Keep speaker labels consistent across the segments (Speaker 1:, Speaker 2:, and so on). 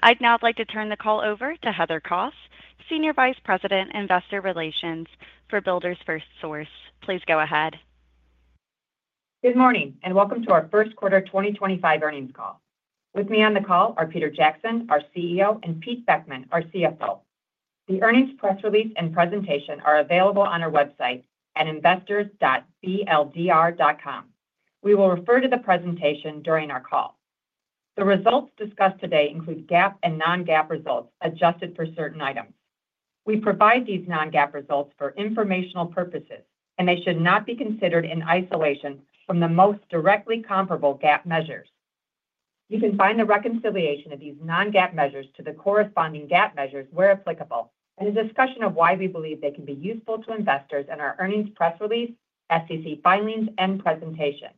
Speaker 1: I'd now like to turn the call over to Heather Kos, Senior Vice President, Investor Relations for Builders FirstSource. Please go ahead.
Speaker 2: Good morning and welcome to our first quarter 2025 earnings call. With me on the call are Peter Jackson, our CEO, and Pete Beckmann, our CFO. The earnings press release and presentation are available on our website at investors.bldr.com. We will refer to the presentation during our call. The results discussed today include GAAP and non-GAAP results adjusted for certain items. We provide these non-GAAP results for informational purposes, and they should not be considered in isolation from the most directly comparable GAAP measures. You can find the reconciliation of these non-GAAP measures to the corresponding GAAP measures where applicable, and a discussion of why we believe they can be useful to investors in our earnings press release, SEC filings, and presentation.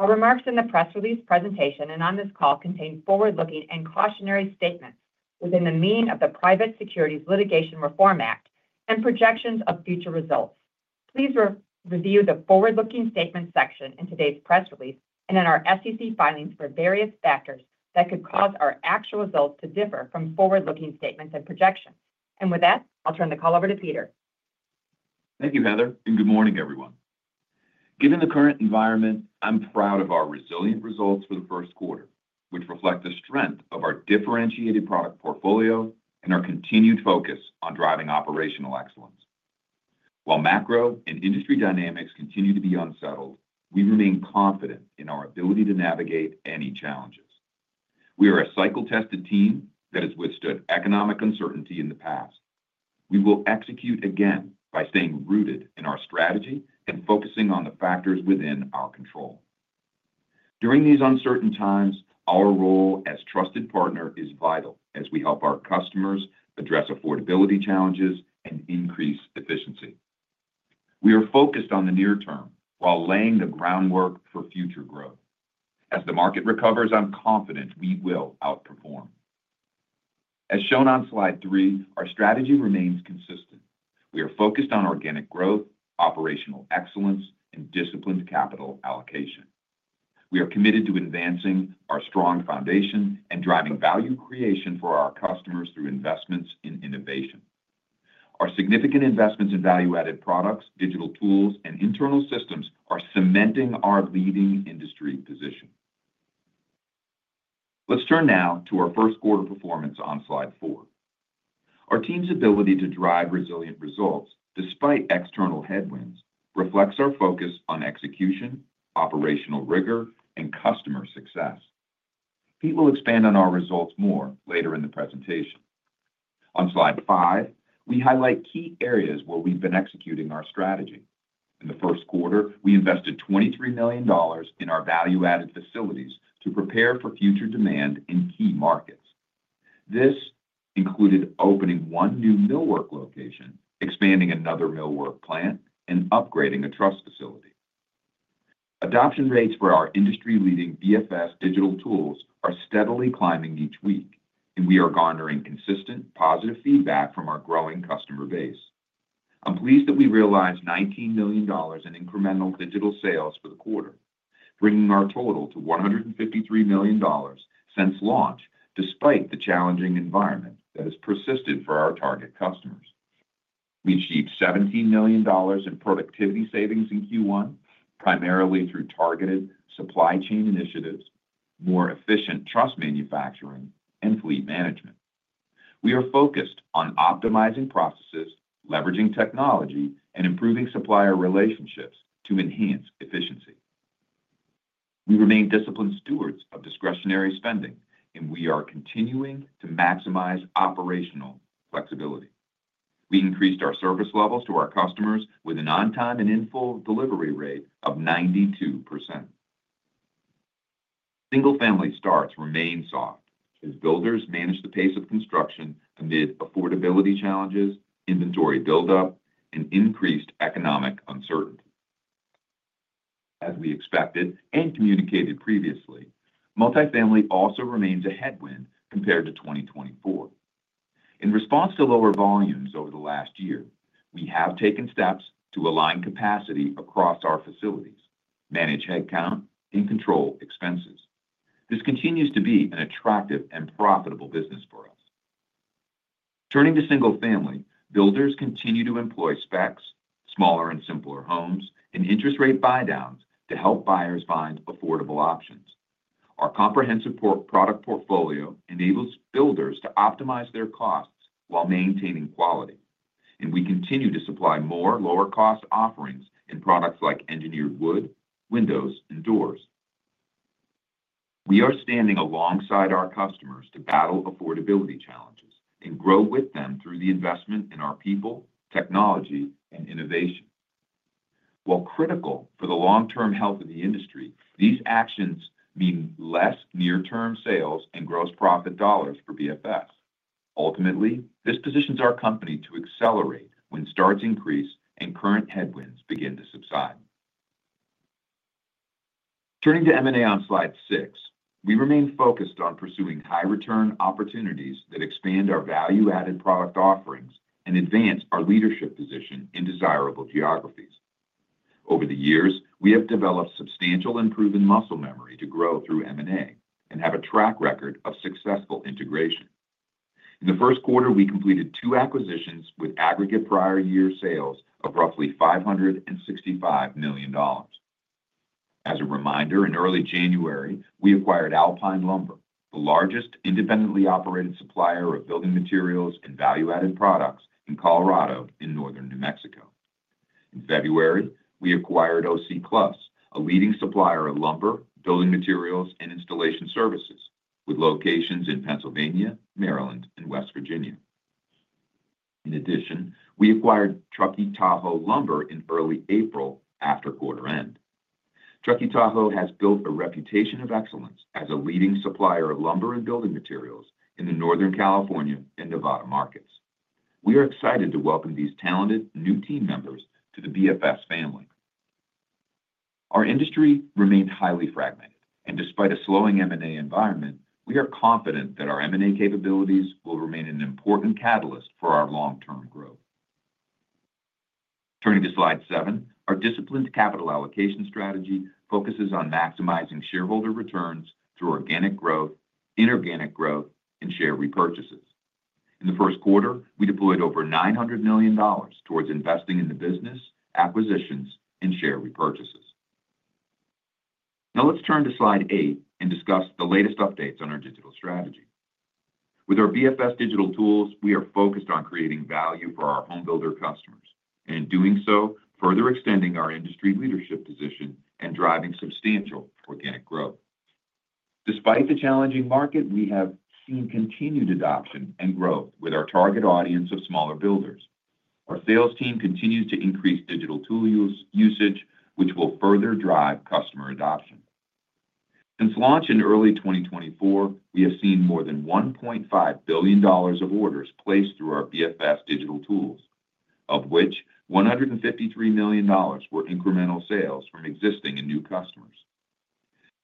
Speaker 2: Our remarks in the press release, presentation, and on this call contain forward-looking and cautionary statements within the meaning of the Private Securities Litigation Reform Act and projections of future results. Please review the forward-looking statements section in today's press release and in our SEC filings for various factors that could cause our actual results to differ from forward-looking statements and projections. With that, I'll turn the call over to Peter.
Speaker 3: Thank you, Heather, and good morning, everyone. Given the current environment, I'm proud of our resilient results for the first quarter, which reflect the strength of our differentiated product portfolio and our continued focus on driving operational excellence. While macro and industry dynamics continue to be unsettled, we remain confident in our ability to navigate any challenges. We are a cycle-tested team that has withstood economic uncertainty in the past. We will execute again by staying rooted in our strategy and focusing on the factors within our control. During these uncertain times, our role as trusted partners is vital as we help our customers address affordability challenges and increase efficiency. We are focused on the near-term while laying the groundwork for future growth. As the market recovers, I'm confident we will outperform. As shown on slide three, our strategy remains consistent. We are focused on organic growth, operational excellence, and disciplined capital allocation. We are committed to advancing our strong foundation and driving value creation for our customers through investments in innovation. Our significant investments in value-added products, digital tools, and internal systems are cementing our leading industry position. Let's turn now to our first quarter performance on slide four. Our team's ability to drive resilient results despite external headwinds reflects our focus on execution, operational rigor, and customer success. Pete will expand on our results more later in the presentation. On slide five, we highlight key areas where we've been executing our strategy. In the first quarter, we invested $23 million in our value-added facilities to prepare for future demand in key markets. This included opening one new millwork location, expanding another millwork plant, and upgrading a truss facility. Adoption rates for our industry-leading BFS digital tools are steadily climbing each week, and we are garnering consistent positive feedback from our growing customer base. I'm pleased that we realized $19 million in incremental digital sales for the quarter, bringing our total to $153 million since launch despite the challenging environment that has persisted for our target customers. We achieved $17 million in productivity savings in Q1, primarily through targeted supply chain initiatives, more efficient truss manufacturing, and fleet management. We are focused on optimizing processes, leveraging technology, and improving supplier relationships to enhance efficiency. We remain disciplined stewards of discretionary spending, and we are continuing to maximize operational flexibility. We increased our service levels to our customers with an on-time and in-full delivery rate of 92%. Single-family starts remain soft as builders manage the pace of construction amid affordability challenges, inventory buildup, and increased economic uncertainty. As we expected and communicated previously, multifamily also remains a headwind compared to 2024. In response to lower volumes over the last year, we have taken steps to align capacity across our facilities, manage headcount, and control expenses. This continues to be an attractive and profitable business for us. Turning to single-family, builders continue to employ specs, smaller and simpler homes, and interest rate buy-downs to help buyers find affordable options. Our comprehensive product portfolio enables builders to optimize their costs while maintaining quality, and we continue to supply more lower-cost offerings in products like engineered wood, windows, and doors. We are standing alongside our customers to battle affordability challenges and grow with them through the investment in our people, technology, and innovation. While critical for the long-term health of the industry, these actions mean less near-term sales and gross profit dollars for BFS. Ultimately, this positions our company to accelerate when starts increase and current headwinds begin to subside. Turning to M&A on slide six, we remain focused on pursuing high-return opportunities that expand our value-added product offerings and advance our leadership position in desirable geographies. Over the years, we have developed substantial and proven muscle memory to grow through M&A and have a track record of successful integration. In the first quarter, we completed two acquisitions with aggregate prior year sales of roughly $565 million. As a reminder, in early January, we acquired Alpine Lumber, the largest independently operated supplier of building materials and value-added products in Colorado and northern New Mexico. In February, we acquired O.C. Cluss, a leading supplier of lumber, building materials, and installation services with locations in Pennsylvania, Maryland, and West Virginia. In addition, we acquired Truckee Tahoe Lumber in early April after quarter-end. Truckee Tahoe has built a reputation of excellence as a leading supplier of lumber and building materials in the Northern California and Nevada markets. We are excited to welcome these talented new team members to the BFS family. Our industry remains highly fragmented, and despite a slowing M&A environment, we are confident that our M&A capabilities will remain an important catalyst for our long-term growth. Turning to slide seven, our disciplined capital allocation strategy focuses on maximizing shareholder returns through organic growth, inorganic growth, and share repurchases. In the first quarter, we deployed over $900 million towards investing in the business, acquisitions, and share repurchases. Now let's turn to slide eight and discuss the latest updates on our digital strategy. With our Builders FirstSource digital tools, we are focused on creating value for our homebuilder customers and, in doing so, further extending our industry leadership position and driving substantial organic growth. Despite the challenging market, we have seen continued adoption and growth with our target audience of smaller builders. Our sales team continues to increase digital tool usage, which will further drive customer adoption. Since launch in early 2024, we have seen more than $1.5 billion of orders placed through our VFS digital tools, of which $153 million were incremental sales from existing and new customers.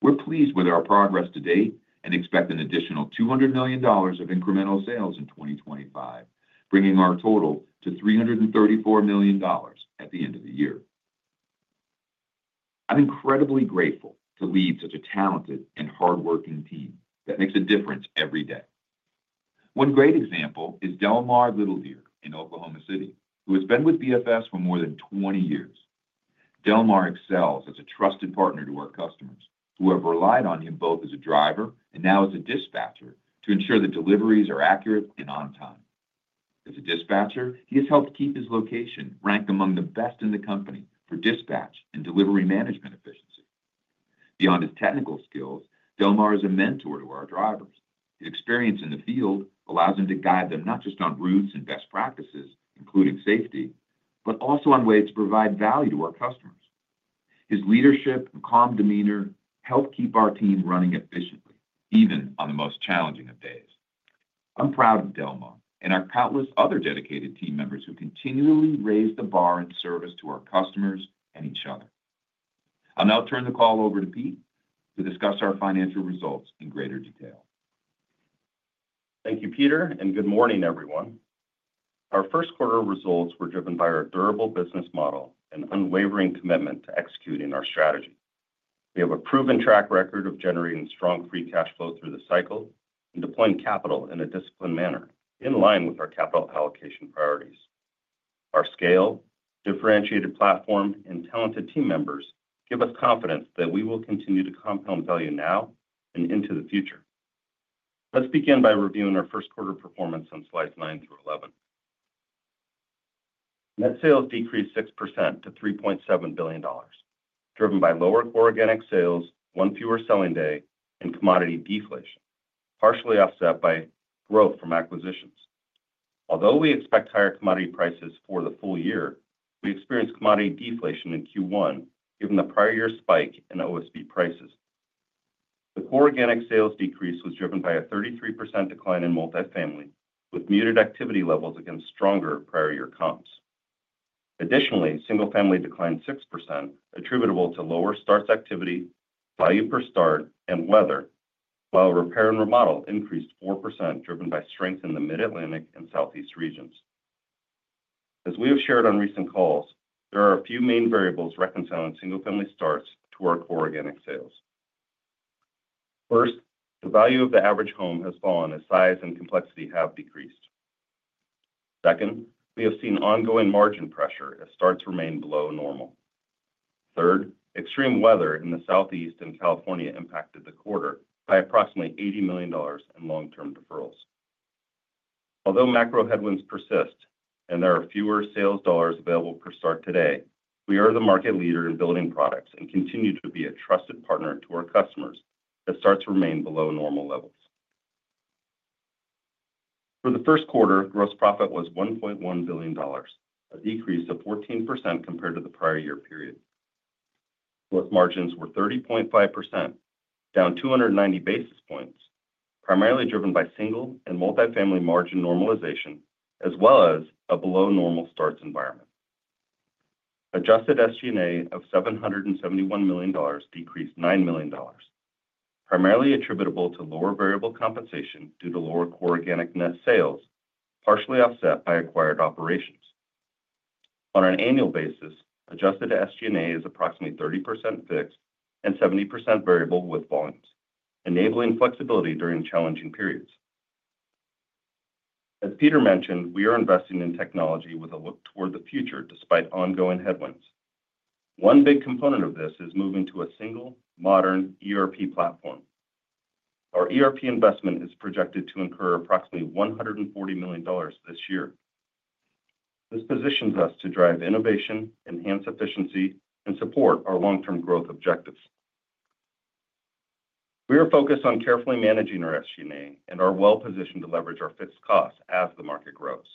Speaker 3: We're pleased with our progress to date and expect an additional $200 million of incremental sales in 2025, bringing our total to $334 million at the end of the year. I'm incredibly grateful to lead such a talented and hardworking team that makes a difference every day. One great example is Delmar Little Deer in Oklahoma City, who has been with VFS for more than 20 years. Delmar excels as a trusted partner to our customers, who have relied on him both as a driver and now as a dispatcher to ensure that deliveries are accurate and on time. As a dispatcher, he has helped keep his location ranked among the best in the company for dispatch and delivery management efficiency. Beyond his technical skills, Delmar is a mentor to our drivers. His experience in the field allows him to guide them not just on routes and best practices, including safety, but also on ways to provide value to our customers. His leadership and calm demeanor help keep our team running efficiently, even on the most challenging of days. I'm proud of Delmar and our countless other dedicated team members who continually raise the bar in service to our customers and each other. I'll now turn the call over to Pete to discuss our financial results in greater detail.
Speaker 4: Thank you, Peter, and good morning, everyone. Our first quarter results were driven by our durable business model and unwavering commitment to executing our strategy. We have a proven track record of generating strong free cash flow through the cycle and deploying capital in a disciplined manner in line with our capital allocation priorities. Our scale, differentiated platform, and talented team members give us confidence that we will continue to compound value now and into the future. Let's begin by reviewing our first quarter performance on slides nine through eleven. Net sales decreased 6% to $3.7 billion, driven by lower organic sales, one fewer selling day, and commodity deflation, partially offset by growth from acquisitions. Although we expect higher commodity prices for the full year, we experienced commodity deflation in Q1, given the prior year spike in OSB prices. The core organic sales decrease was driven by a 33% decline in multifamily, with muted activity levels against stronger prior year comps. Additionally, single-family declined 6%, attributable to lower starts activity, value per start, and weather, while repair and remodel increased 4%, driven by strength in the Mid-Atlantic and Southeast regions. As we have shared on recent calls, there are a few main variables reconciling single-family starts to our core organic sales. First, the value of the average home has fallen as size and complexity have decreased. Second, we have seen ongoing margin pressure as starts remain below normal. Third, extreme weather in the Southeast and California impacted the quarter by approximately $80 million in long-term deferrals. Although macro headwinds persist and there are fewer sales dollars available per start today, we are the market leader in building products and continue to be a trusted partner to our customers as starts remain below normal levels. For the first quarter, gross profit was $1.1 billion, a decrease of 14% compared to the prior year period. Gross margins were 30.5%, down 290 basis points, primarily driven by single and multifamily margin normalization, as well as a below-normal starts environment. Adjusted SG&A of $771 million decreased $9 million, primarily attributable to lower variable compensation due to lower core organic net sales, partially offset by acquired operations. On an annual basis, adjusted SG&A is approximately 30% fixed and 70% variable with volumes, enabling flexibility during challenging periods. As Peter mentioned, we are investing in technology with a look toward the future despite ongoing headwinds. One big component of this is moving to a single, modern ERP platform. Our ERP investment is projected to incur approximately $140 million this year. This positions us to drive innovation, enhance efficiency, and support our long-term growth objectives. We are focused on carefully managing our SG&A and are well-positioned to leverage our fixed costs as the market grows.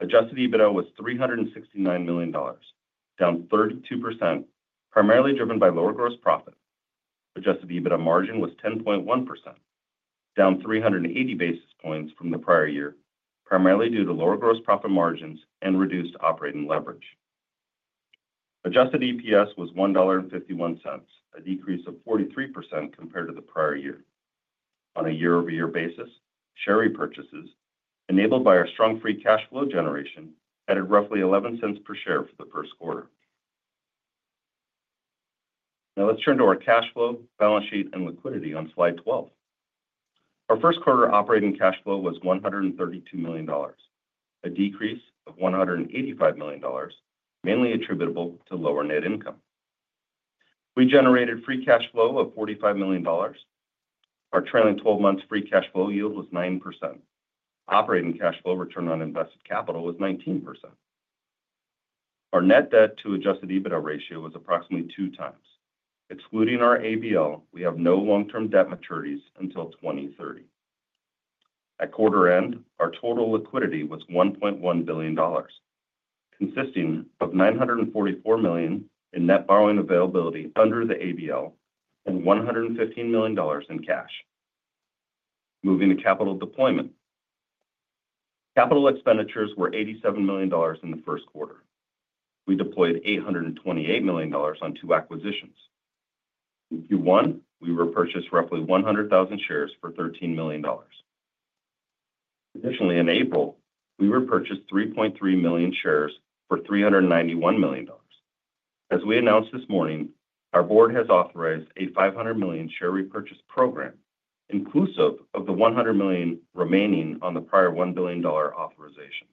Speaker 4: Adjusted EBITDA was $369 million, down 32%, primarily driven by lower gross profit. Adjusted EBITDA margin was 10.1%, down 380 basis points from the prior year, primarily due to lower gross profit margins and reduced operating leverage. Adjusted EPS was $1.51, a decrease of 43% compared to the prior year. On a year-over-year basis, share repurchases, enabled by our strong free cash flow generation, added roughly $0.11 per share for the first quarter. Now let's turn to our cash flow, balance sheet, and liquidity on slide 12. Our first quarter operating cash flow was $132 million, a decrease of $185 million, mainly attributable to lower net income. We generated free cash flow of $45 million. Our trailing 12-month free cash flow yield was 9%. Operating cash flow return on invested capital was 19%. Our net debt to adjusted EBITDA ratio was approximately 2x. Excluding our ABL, we have no long-term debt maturities until 2030. At quarter-end, our total liquidity was $1.1 billion, consisting of $944 million in net borrowing availability under the ABL and $115 million in cash. Moving to capital deployment. Capital expenditures were $87 million in the first quarter. We deployed $828 million on two acquisitions. In Q1, we repurchased roughly 100,000 shares for $13 million. Additionally, in April, we repurchased 3.3 million shares for $391 million. As we announced this morning, our board has authorized a $500 million share repurchase program, inclusive of the $100 million remaining on the prior $1 billion authorization.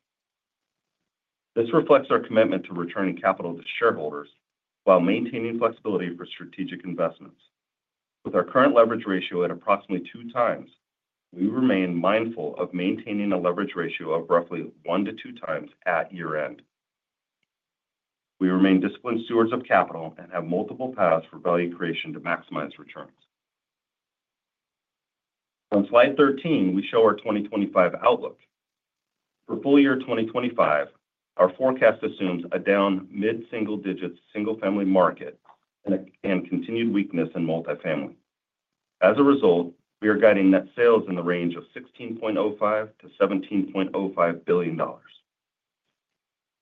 Speaker 4: This reflects our commitment to returning capital to shareholders while maintaining flexibility for strategic investments. With our current leverage ratio at approximately two times, we remain mindful of maintaining a leverage ratio of roughly one to two times at year-end. We remain disciplined stewards of capital and have multiple paths for value creation to maximize returns. On slide 13, we show our 2025 outlook. For full year 2025, our forecast assumes a down mid-single-digit single-family market and continued weakness in multifamily. As a result, we are guiding net sales in the range of $16.05 billion-$17.05 billion.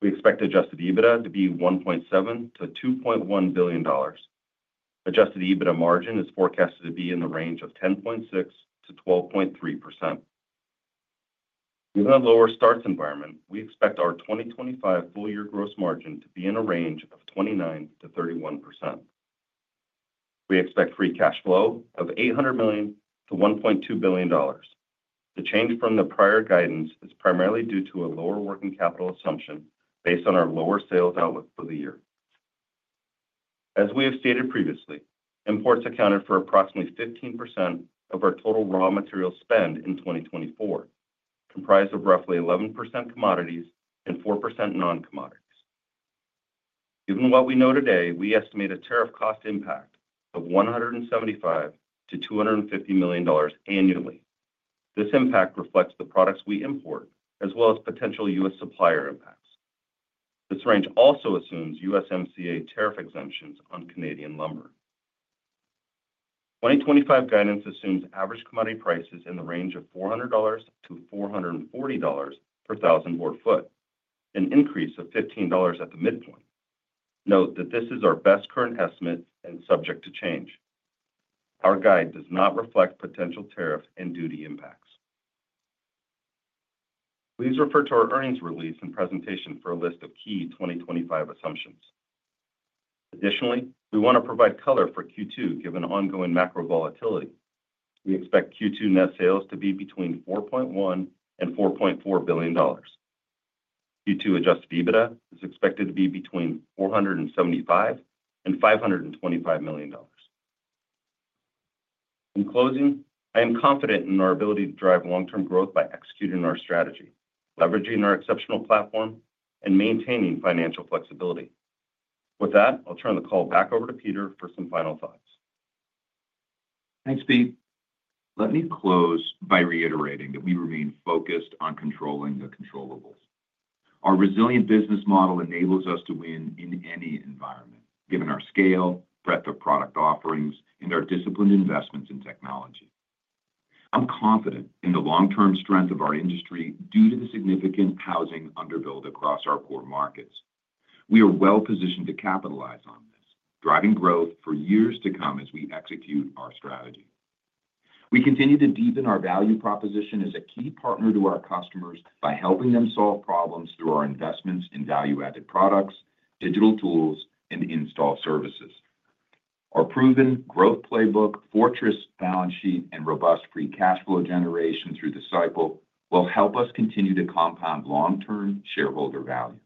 Speaker 4: We expect adjusted EBITDA to be $1.7 billion-$2.1 billion. Adjusted EBITDA margin is forecasted to be in the range of 10.6%-12.3%. Given a lower starts environment, we expect our 2025 full-year gross margin to be in a range of 29%-31%. We expect free cash flow of $800 million-$1.2 billion. The change from the prior guidance is primarily due to a lower working capital assumption based on our lower sales outlook for the year. As we have stated previously, imports accounted for approximately 15% of our total raw material spend in 2024, comprised of roughly 11% commodities and 4% non-commodities. Given what we know today, we estimate a tariff cost impact of $175 million-$250 million annually. This impact reflects the products we import, as well as potential U.S. supplier impacts. This range also assumes USMCA tariff exemptions on Canadian lumber. 2025 guidance assumes average commodity prices in the range of $400-$440 per thousand board foot, an increase of $15 at the midpoint. Note that this is our best current estimate and subject to change. Our guide does not reflect potential tariff and duty impacts. Please refer to our earnings release and presentation for a list of key 2025 assumptions. Additionally, we want to provide color for Q2 given ongoing macro volatility. We expect Q2 net sales to be between $4.1 billion and $4.4 billion. Q2 adjusted EBITDA is expected to be between $475 million and $525 million. In closing, I am confident in our ability to drive long-term growth by executing our strategy, leveraging our exceptional platform, and maintaining financial flexibility. With that, I'll turn the call back over to Peter for some final thoughts.
Speaker 3: Thanks, Pete. Let me close by reiterating that we remain focused on controlling the controllables. Our resilient business model enables us to win in any environment, given our scale, breadth of product offerings, and our disciplined investments in technology. I'm confident in the long-term strength of our industry due to the significant housing underbuilt across our core markets. We are well-positioned to capitalize on this, driving growth for years to come as we execute our strategy. We continue to deepen our value proposition as a key partner to our customers by helping them solve problems through our investments in value-added products, digital tools, and install services. Our proven growth playbook, fortress balance sheet, and robust free cash flow generation through the cycle will help us continue to compound long-term shareholder value.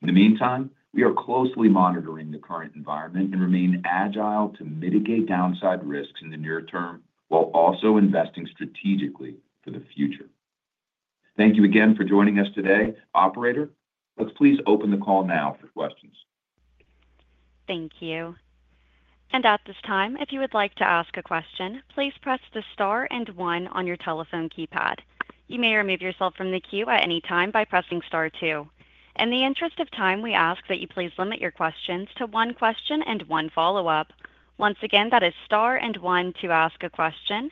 Speaker 3: In the meantime, we are closely monitoring the current environment and remain agile to mitigate downside risks in the near term while also investing strategically for the future. Thank you again for joining us today. Operator, let's please open the call now for questions.
Speaker 1: Thank you. At this time, if you would like to ask a question, please press the star and one on your telephone keypad. You may remove yourself from the queue at any time by pressing star two. In the interest of time, we ask that you please limit your questions to one question and one follow-up. Once again, that is star and one to ask a question.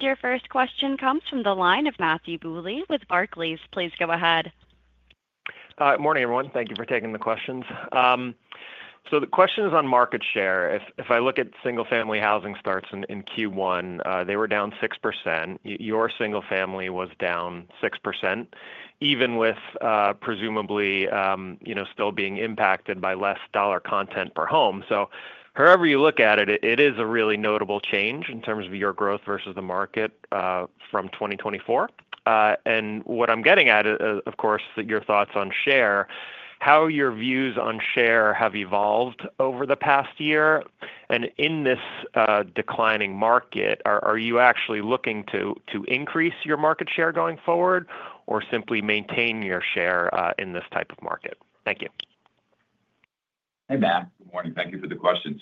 Speaker 1: Your first question comes from the line of Matthew Bouley with Barclays. Please go ahead.
Speaker 5: Good morning, everyone. Thank you for taking the questions. The question is on market share. If I look at single-family housing starts in Q1, they were down 6%. Your single-family was down 6%, even with presumably still being impacted by less dollar content per home. However you look at it, it is a really notable change in terms of your growth versus the market from 2024. What I'm getting at, of course, is your thoughts on share, how your views on share have evolved over the past year. In this declining market, are you actually looking to increase your market share going forward or simply maintain your share in this type of market? Thank you.
Speaker 3: Hey, Matt. Good morning. Thank you for the question.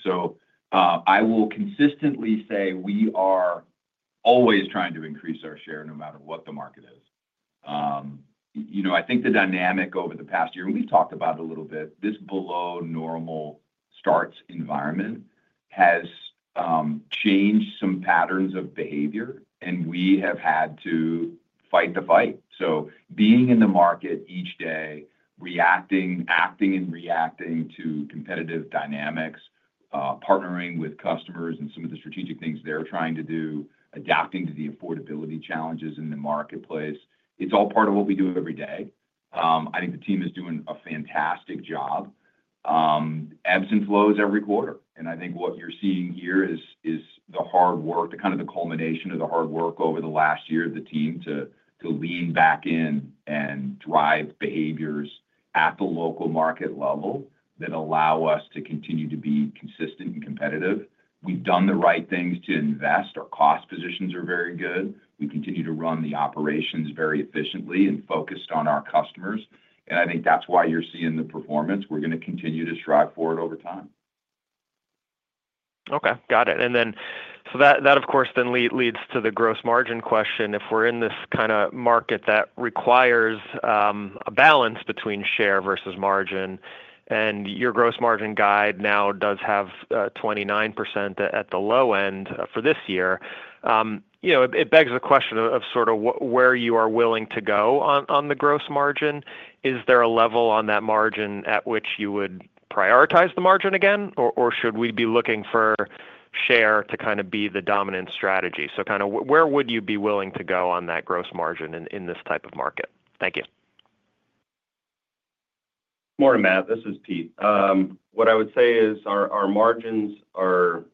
Speaker 3: I will consistently say we are always trying to increase our share no matter what the market is. I think the dynamic over the past year, and we've talked about it a little bit, this below-normal starts environment has changed some patterns of behavior, and we have had to fight the fight. Being in the market each day, reacting, acting and reacting to competitive dynamics, partnering with customers and some of the strategic things they're trying to do, adapting to the affordability challenges in the marketplace, it's all part of what we do every day. I think the team is doing a fantastic job. Ebbs and flows every quarter. I think what you're seeing here is the hard work, the kind of the culmination of the hard work over the last year of the team to lean back in and drive behaviors at the local market level that allow us to continue to be consistent and competitive. We've done the right things to invest. Our cost positions are very good. We continue to run the operations very efficiently and focused on our customers. I think that's why you're seeing the performance. We're going to continue to strive forward over time.
Speaker 5: Okay. Got it. That, of course, then leads to the gross margin question. If we're in this kind of market that requires a balance between share versus margin, and your gross margin guide now does have 29% at the low end for this year, it begs the question of sort of where you are willing to go on the gross margin. Is there a level on that margin at which you would prioritize the margin again, or should we be looking for share to kind of be the dominant strategy? Where would you be willing to go on that gross margin in this type of market? Thank you.
Speaker 4: Morning, Matt. This is Pete. What I would say is our margins are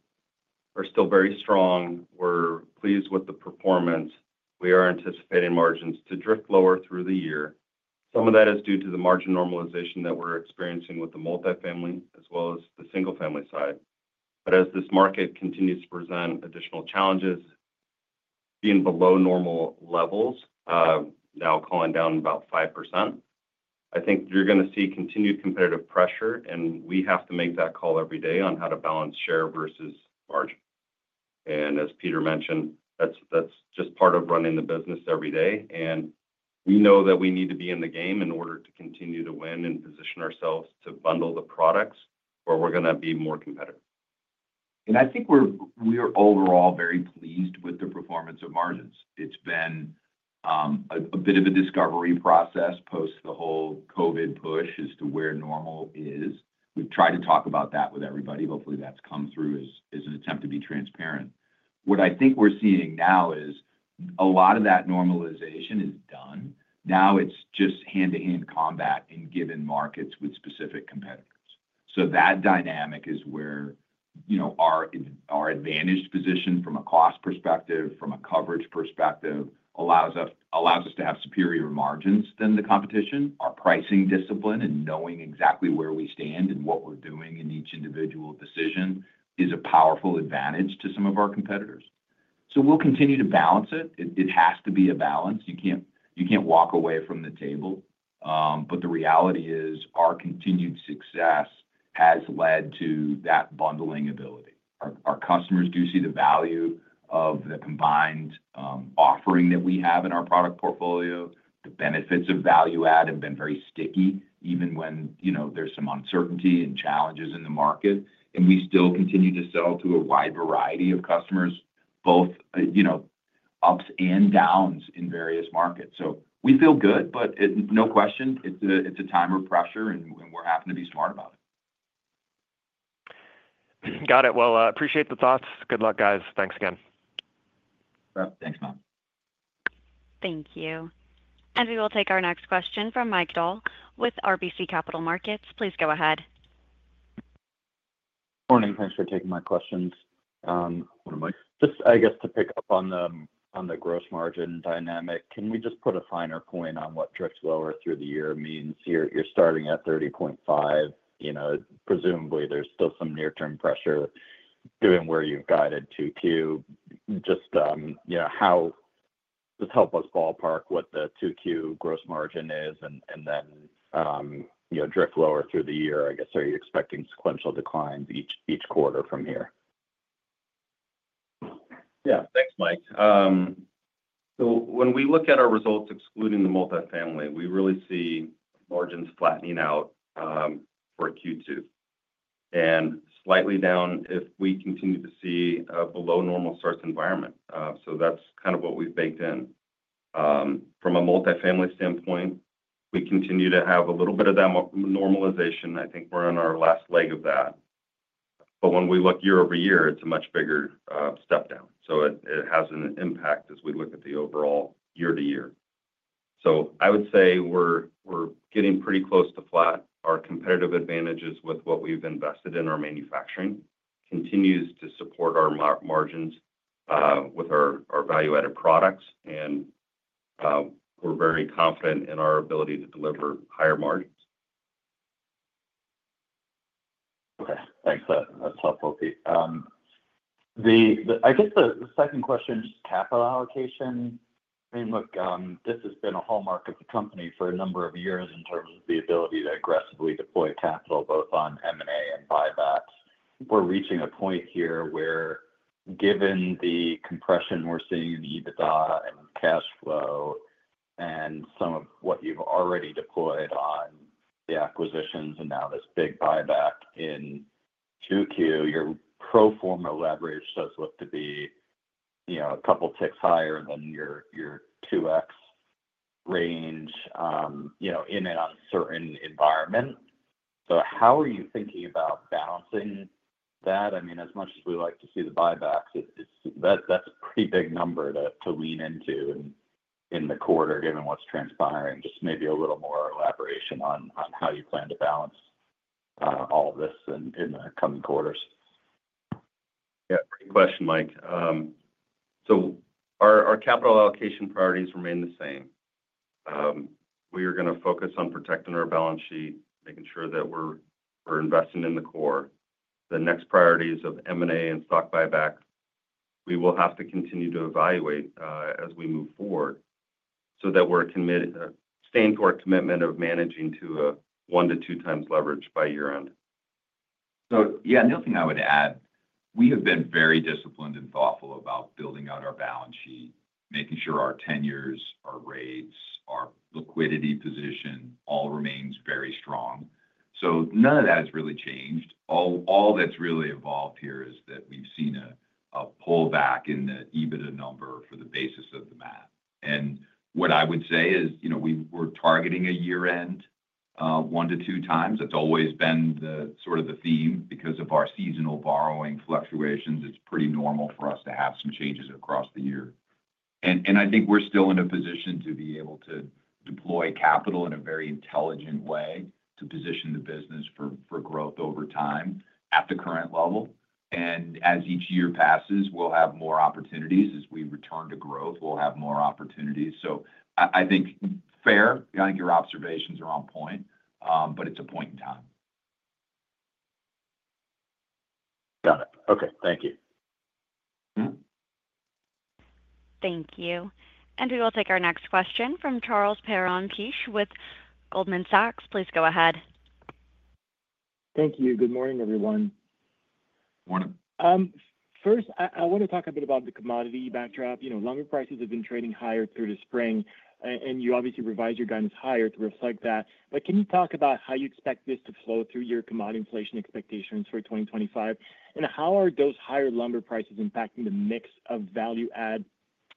Speaker 4: still very strong. We're pleased with the performance. We are anticipating margins to drift lower through the year. Some of that is due to the margin normalization that we're experiencing with the multifamily as well as the single-family side. As this market continues to present additional challenges, being below normal levels, now calling down about 5%, I think you're going to see continued competitive pressure, and we have to make that call every day on how to balance share versus margin. As Peter mentioned, that's just part of running the business every day. We know that we need to be in the game in order to continue to win and position ourselves to bundle the products where we're going to be more competitive.
Speaker 3: I think we're overall very pleased with the performance of margins. It's been a bit of a discovery process post the whole COVID push as to where normal is. We've tried to talk about that with everybody. Hopefully, that's come through as an attempt to be transparent. What I think we're seeing now is a lot of that normalization is done. Now it's just hand-to-hand combat in given markets with specific competitors. That dynamic is where our advantaged position from a cost perspective, from a coverage perspective, allows us to have superior margins than the competition. Our pricing discipline and knowing exactly where we stand and what we're doing in each individual decision is a powerful advantage to some of our competitors. We'll continue to balance it. It has to be a balance. You can't walk away from the table. The reality is our continued success has led to that bundling ability. Our customers do see the value of the combined offering that we have in our product portfolio. The benefits of value-add have been very sticky even when there's some uncertainty and challenges in the market. We still continue to sell to a wide variety of customers, both ups and downs in various markets. We feel good, but no question, it's a time of pressure, and we're having to be smart about it.
Speaker 5: Got it. I appreciate the thoughts. Good luck, guys. Thanks again.
Speaker 3: Thanks, Matt.
Speaker 1: Thank you. We will take our next question from Michael with RBC Capital Markets. Please go ahead.
Speaker 6: Morning. Thanks for taking my questions. Just, I guess, to pick up on the gross margin dynamic, can we just put a finer point on what drifts lower through the year means? You're starting at 30.5%. Presumably, there's still some near-term pressure given where you've guided to 2Q. Just help us ballpark what the 2Q gross margin is, and then drift lower through the year. I guess, are you expecting sequential declines each quarter from here?
Speaker 4: Yeah. Thanks, Mike. When we look at our results, excluding the multifamily, we really see margins flattening out for Q2 and slightly down if we continue to see a below-normal starts environment. That is kind of what we have baked in. From a multifamily standpoint, we continue to have a little bit of that normalization. I think we are on our last leg of that. When we look year-over-year, it is a much bigger step down. It has an impact as we look at the overall year-to-year. I would say we are getting pretty close to flat. Our competitive advantages with what we have invested in our manufacturing continues to support our margins with our value-added products, and we are very confident in our ability to deliver higher margins.
Speaker 6: Okay. Thanks. That's helpful, Pete. I guess the second question, just capital allocation. I mean, look, this has been a hallmark of the company for a number of years in terms of the ability to aggressively deploy capital both on M&A and buybacks. We're reaching a point here where, given the compression we're seeing in EBITDA and cash flow and some of what you've already deployed on the acquisitions and now this big buyback in Q2, your pro forma leverage does look to be a couple ticks higher than your 2x range in an uncertain environment. How are you thinking about balancing that? I mean, as much as we like to see the buybacks, that's a pretty big number to lean into in the quarter given what's transpiring. Just maybe a little more elaboration on how you plan to balance all of this in the coming quarters.
Speaker 4: Yeah. Great question, Mike. Our capital allocation priorities remain the same. We are going to focus on protecting our balance sheet, making sure that we're investing in the core. The next priorities of M&A and stock buyback, we will have to continue to evaluate as we move forward so that we're staying to our commitment of managing to a one to two times leverage by year-end.
Speaker 3: Yeah, another thing I would add, we have been very disciplined and thoughtful about building out our balance sheet, making sure our tenures, our rates, our liquidity position all remains very strong. None of that has really changed. All that's really evolved here is that we've seen a pullback in the EBITDA number for the basis of the math. What I would say is we're targeting a year-end one to 2x. That's always been sort of the theme. Because of our seasonal borrowing fluctuations, it's pretty normal for us to have some changes across the year. I think we're still in a position to be able to deploy capital in a very intelligent way to position the business for growth over time at the current level. As each year passes, we'll have more opportunities. As we return to growth, we'll have more opportunities.I think fair. I think your observations are on point, but it's a point in time.
Speaker 6: Got it. Okay. Thank you.
Speaker 1: Thank you. We will take our next question from Charles Perron-Piché with Goldman Sachs. Please go ahead.
Speaker 7: Thank you. Good morning, everyone.
Speaker 3: Morning.
Speaker 7: First, I want to talk a bit about the commodity backdrop. Lumber prices have been trading higher through the spring, and you obviously revise your guidance higher to reflect that. Can you talk about how you expect this to flow through your commodity inflation expectations for 2025? How are those higher lumber prices impacting the mix of value-add?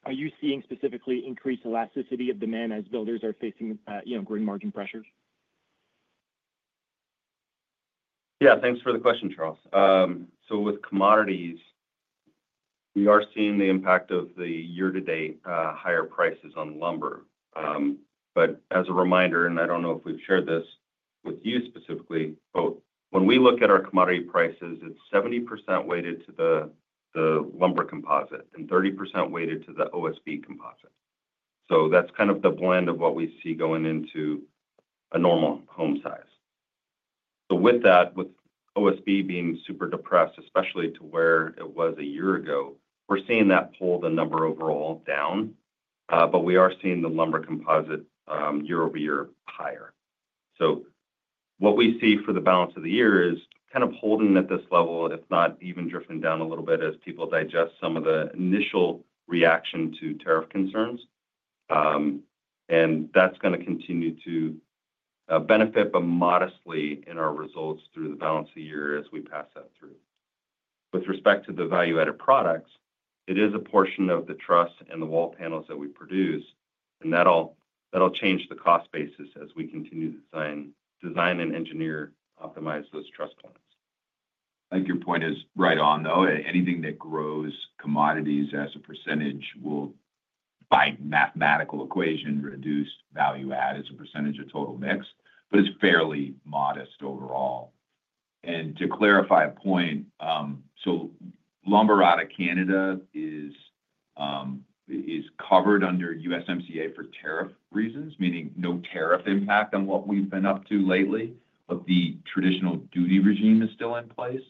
Speaker 7: Are you seeing specifically increased elasticity of demand as builders are facing growing margin pressures?
Speaker 4: Yeah. Thanks for the question, Charles. With commodities, we are seeing the impact of the year-to-date higher prices on lumber. As a reminder, and I do not know if we have shared this with you specifically, when we look at our commodity prices, it is 70% weighted to the lumber composite and 30% weighted to the OSB composite. That is kind of the blend of what we see going into a normal home size. With OSB being super depressed, especially compared to where it was a year ago, we are seeing that pull the number overall down. We are seeing the lumber composite year-over-year higher. What we see for the balance of the year is kind of holding at this level, if not even drifting down a little bit as people digest some of the initial reaction to tariff concerns. That is going to continue to benefit but modestly in our results through the balance of the year as we pass that through. With respect to the value-added products, it is a portion of the truss and the wall panels that we produce, and that will change the cost basis as we continue to design and engineer and optimize those truss points.
Speaker 3: I think your point is right on, though. Anything that grows commodities as a percentage will, by mathematical equation, reduce value-add as a percentage of total mix, but it's fairly modest overall. To clarify a point, lumber out of Canada is covered under USMCA for tariff reasons, meaning no tariff impact on what we've been up to lately, but the traditional duty regime is still in place.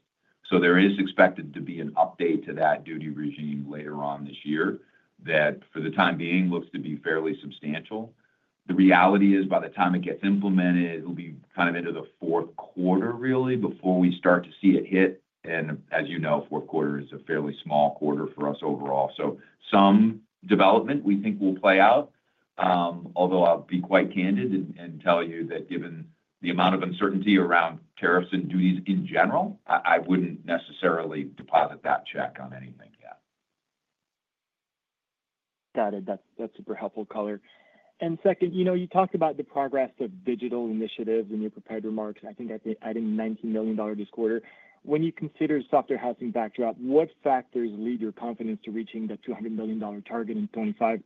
Speaker 3: There is expected to be an update to that duty regime later on this year that, for the time being, looks to be fairly substantial. The reality is, by the time it gets implemented, it'll be kind of into the fourth quarter, really, before we start to see it hit. As you know, fourth quarter is a fairly small quarter for us overall. Some development we think will play out. Although I'll be quite candid and tell you that given the amount of uncertainty around tariffs and duties in general, I wouldn't necessarily deposit that check on anything yet.
Speaker 7: Got it. That's super helpful, color. Second, you talked about the progress of digital initiatives in your prepared remarks. I think you did $19 million this quarter. When you consider the software housing backdrop, what factors lead to your confidence in reaching the $200 million target in 2025?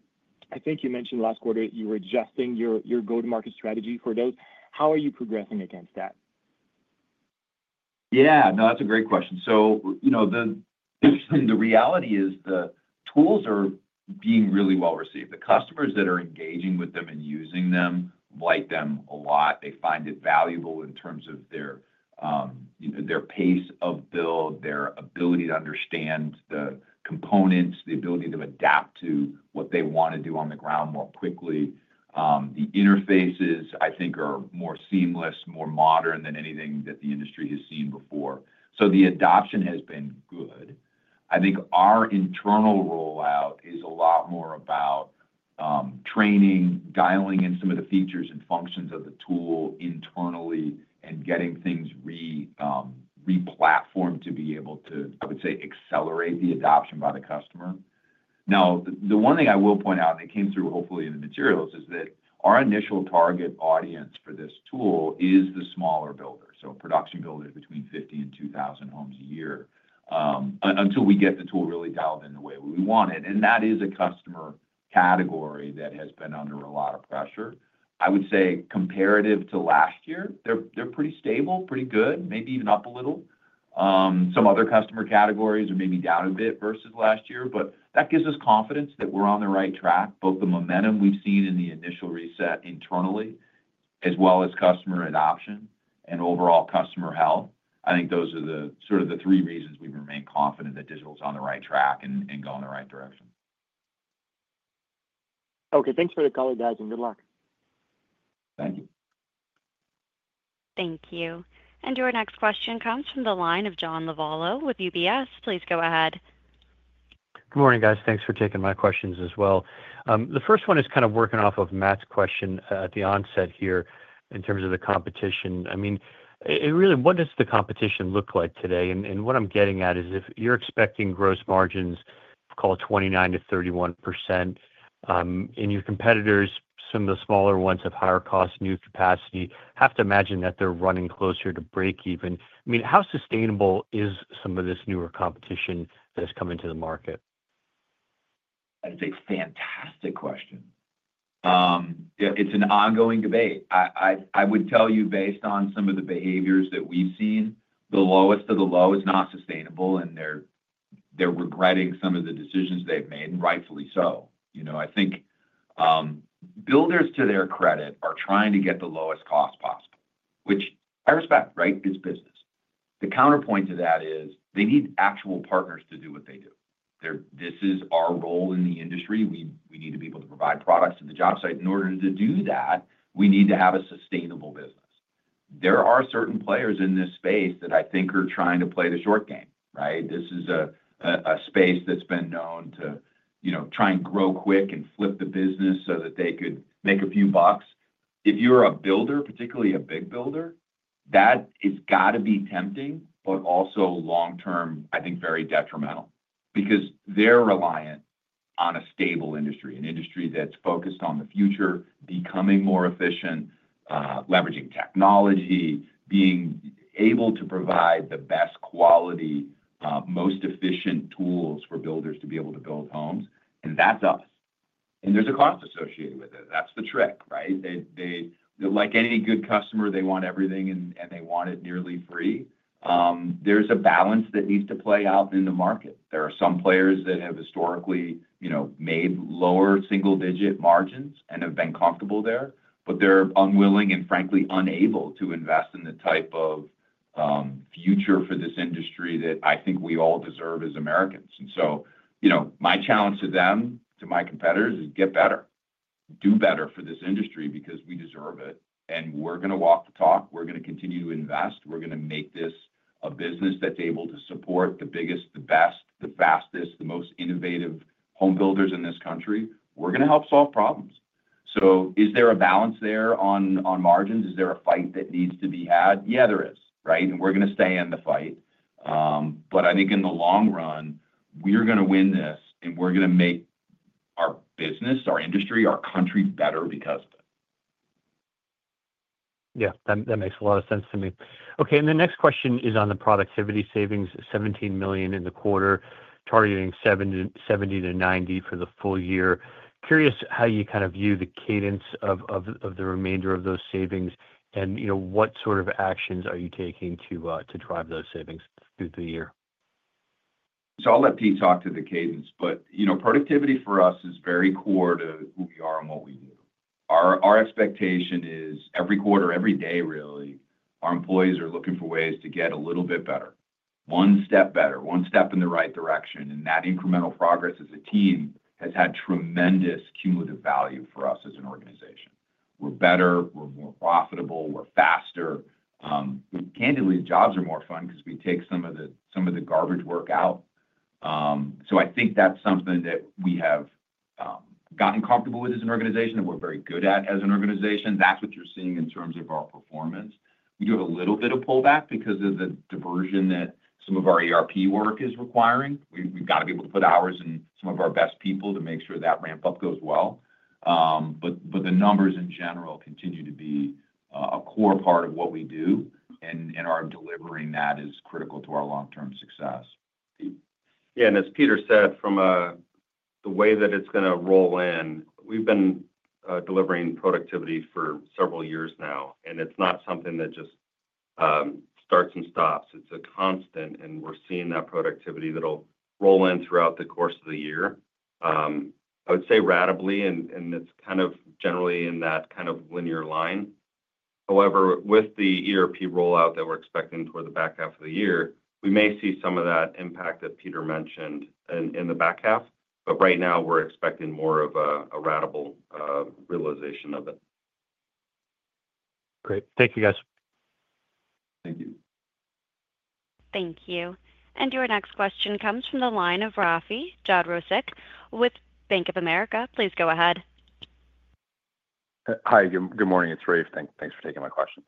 Speaker 7: I think you mentioned last quarter that you were adjusting your go-to-market strategy for those. How are you progressing against that?
Speaker 3: Yeah. No, that's a great question. The reality is the tools are being really well received. The customers that are engaging with them and using them like them a lot. They find it valuable in terms of their pace of build, their ability to understand the components, the ability to adapt to what they want to do on the ground more quickly. The interfaces, I think, are more seamless, more modern than anything that the industry has seen before. The adoption has been good. I think our internal rollout is a lot more about training, dialing in some of the features and functions of the tool internally, and getting things replatformed to be able to, I would say, accelerate the adoption by the customer. Now, the one thing I will point out, and it came through hopefully in the materials, is that our initial target audience for this tool is the smaller builders. Production builders between 50 and 2,000 homes a year until we get the tool really dialed in the way we want it. That is a customer category that has been under a lot of pressure. I would say comparative to last year, they're pretty stable, pretty good, maybe even up a little. Some other customer categories are maybe down a bit versus last year, but that gives us confidence that we're on the right track, both the momentum we've seen in the initial reset internally as well as customer adoption and overall customer health. I think those are sort of the three reasons we remain confident that Digital is on the right track and going the right direction.
Speaker 7: Okay. Thanks for the call, guys, and good luck.
Speaker 3: Thank you.
Speaker 1: Thank you. Your next question comes from the line of John Lovallo with UBS. Please go ahead.
Speaker 8: Good morning, guys. Thanks for taking my questions as well. The first one is kind of working off of Matt's question at the onset here in terms of the competition. I mean, really, what does the competition look like today? And what I'm getting at is if you're expecting gross margins, call it 29%-31%, and your competitors, some of the smaller ones of higher cost, new capacity, have to imagine that they're running closer to break-even, I mean, how sustainable is some of this newer competition that has come into the market?
Speaker 3: That's a fantastic question. It's an ongoing debate. I would tell you, based on some of the behaviors that we've seen, the lowest of the low is not sustainable, and they're regretting some of the decisions they've made, and rightfully so. I think builders, to their credit, are trying to get the lowest cost possible, which I respect, right? It's business. The counterpoint to that is they need actual partners to do what they do. This is our role in the industry. We need to be able to provide products to the job site. In order to do that, we need to have a sustainable business. There are certain players in this space that I think are trying to play the short game, right? This is a space that's been known to try and grow quick and flip the business so that they could make a few bucks. If you're a builder, particularly a big builder, that has got to be tempting, but also long-term, I think, very detrimental because they're reliant on a stable industry, an industry that's focused on the future, becoming more efficient, leveraging technology, being able to provide the best quality, most efficient tools for builders to be able to build homes. That's us. There's a cost associated with it. That's the trick, right? Like any good customer, they want everything, and they want it nearly free. There's a balance that needs to play out in the market. There are some players that have historically made lower single-digit margins and have been comfortable there, but they're unwilling and, frankly, unable to invest in the type of future for this industry that I think we all deserve as Americans. My challenge to them, to my competitors, is get better, do better for this industry because we deserve it, and we're going to walk the talk. We're going to continue to invest. We're going to make this a business that's able to support the biggest, the best, the fastest, the most innovative home builders in this country. We're going to help solve problems. Is there a balance there on margins? Is there a fight that needs to be had? Yeah, there is, right? We're going to stay in the fight. I think in the long run, we're going to win this, and we're going to make our business, our industry, our country better because of it.
Speaker 8: Yeah. That makes a lot of sense to me. Okay. The next question is on the productivity savings, $17 million in the quarter, targeting $70 million-$90 million for the full year. Curious how you kind of view the cadence of the remainder of those savings and what sort of actions are you taking to drive those savings through the year.
Speaker 3: I'll let Pete talk to the cadence, but productivity for us is very core to who we are and what we do. Our expectation is every quarter, every day, really, our employees are looking for ways to get a little bit better, one step better, one step in the right direction. That incremental progress as a team has had tremendous cumulative value for us as an organization. We're better. We're more profitable. We're faster. Candidly, the jobs are more fun because we take some of the garbage work out. I think that's something that we have gotten comfortable with as an organization that we're very good at as an organization. That's what you're seeing in terms of our performance. We do have a little bit of pullback because of the diversion that some of our ERP work is requiring. We've got to be able to put hours in some of our best people to make sure that ramp-up goes well. The numbers in general continue to be a core part of what we do, and our delivering that is critical to our long-term success.
Speaker 4: Yeah. As Peter said, from the way that it's going to roll in, we've been delivering productivity for several years now, and it's not something that just starts and stops. It's a constant, and we're seeing that productivity that'll roll in throughout the course of the year. I would say, really, and it's kind of generally in that kind of linear line. However, with the ERP rollout that we're expecting toward the back half of the year, we may see some of that impact that Peter mentioned in the back half. Right now, we're expecting more of a real realization of it.
Speaker 8: Great. Thank you, guys.
Speaker 4: Thank you.
Speaker 1: Thank you. Your next question comes from the line of Rafe Jadrosich with Bank of America. Please go ahead.
Speaker 9: Hi. Good morning. It's Rafe. Thanks for taking my question.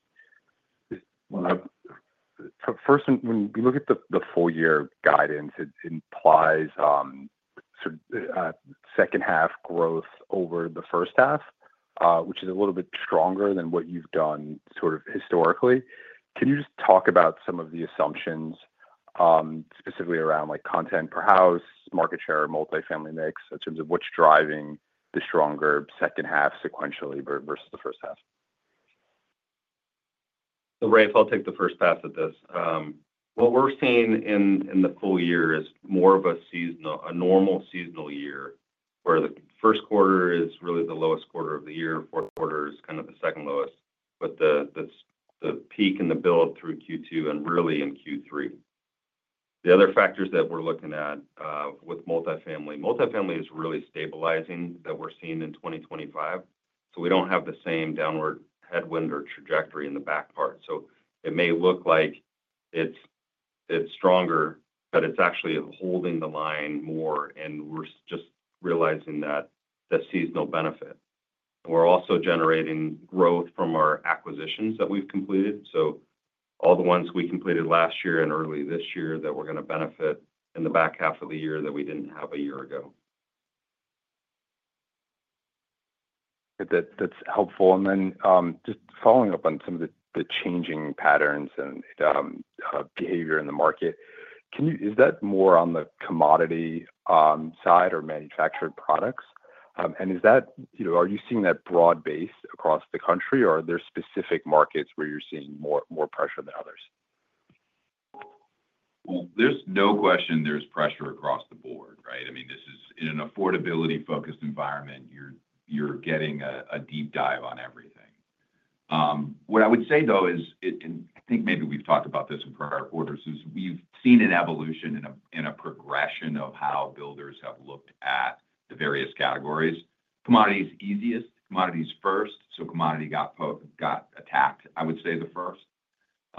Speaker 9: First, when we look at the full-year guidance, it implies sort of second-half growth over the first half, which is a little bit stronger than what you've done sort of historically. Can you just talk about some of the assumptions specifically around content per house, market share, multifamily mix in terms of what's driving the stronger second half sequentially versus the first half?
Speaker 4: Rafe, I'll take the first pass at this. What we're seeing in the full year is more of a normal seasonal year where the first quarter is really the lowest quarter of the year. Fourth quarter is kind of the second lowest, but the peak and the build through Q2 and really in Q3. The other factors that we're looking at with multifamily, multifamily is really stabilizing that we're seeing in 2025. We do not have the same downward headwind or trajectory in the back part. It may look like it's stronger, but it's actually holding the line more, and we're just realizing that that's seasonal benefit. We're also generating growth from our acquisitions that we've completed. All the ones we completed last year and early this year that we're going to benefit in the back half of the year that we did not have a year ago.
Speaker 9: That's helpful. Just following up on some of the changing patterns and behavior in the market, is that more on the commodity side or manufactured products? Are you seeing that broad base across the country, or are there specific markets where you're seeing more pressure than others?
Speaker 3: There is no question there is pressure across the board, right? I mean, this is in an affordability-focused environment, you are getting a deep dive on everything. What I would say, though, is, and I think maybe we have talked about this in prior quarters, is we have seen an evolution and a progression of how builders have looked at the various categories. Commodity is easiest. Commodity is first. Commodity got attacked, I would say, first.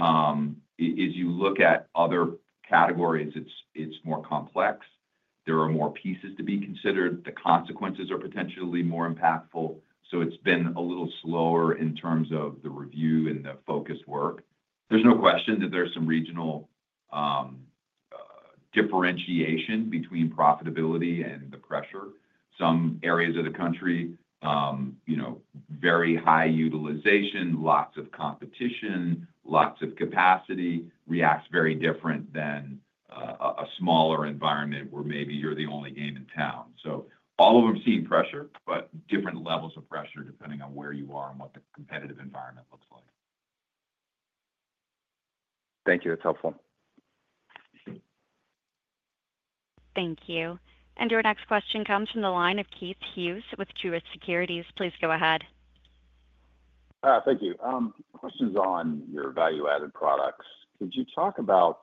Speaker 3: As you look at other categories, it is more complex. There are more pieces to be considered. The consequences are potentially more impactful. It has been a little slower in terms of the review and the focused work. There is no question that there is some regional differentiation between profitability and the pressure. Some areas of the country, very high utilization, lots of competition, lots of capacity, reacts very different than a smaller environment where maybe you're the only game in town. All of them see pressure, but different levels of pressure depending on where you are and what the competitive environment looks like.
Speaker 9: Thank you. That's helpful.
Speaker 1: Thank you. Your next question comes from the line of Keith Hughes with Truist Securities. Please go ahead.
Speaker 10: Thank you. Questions on your value-added products. Could you talk about,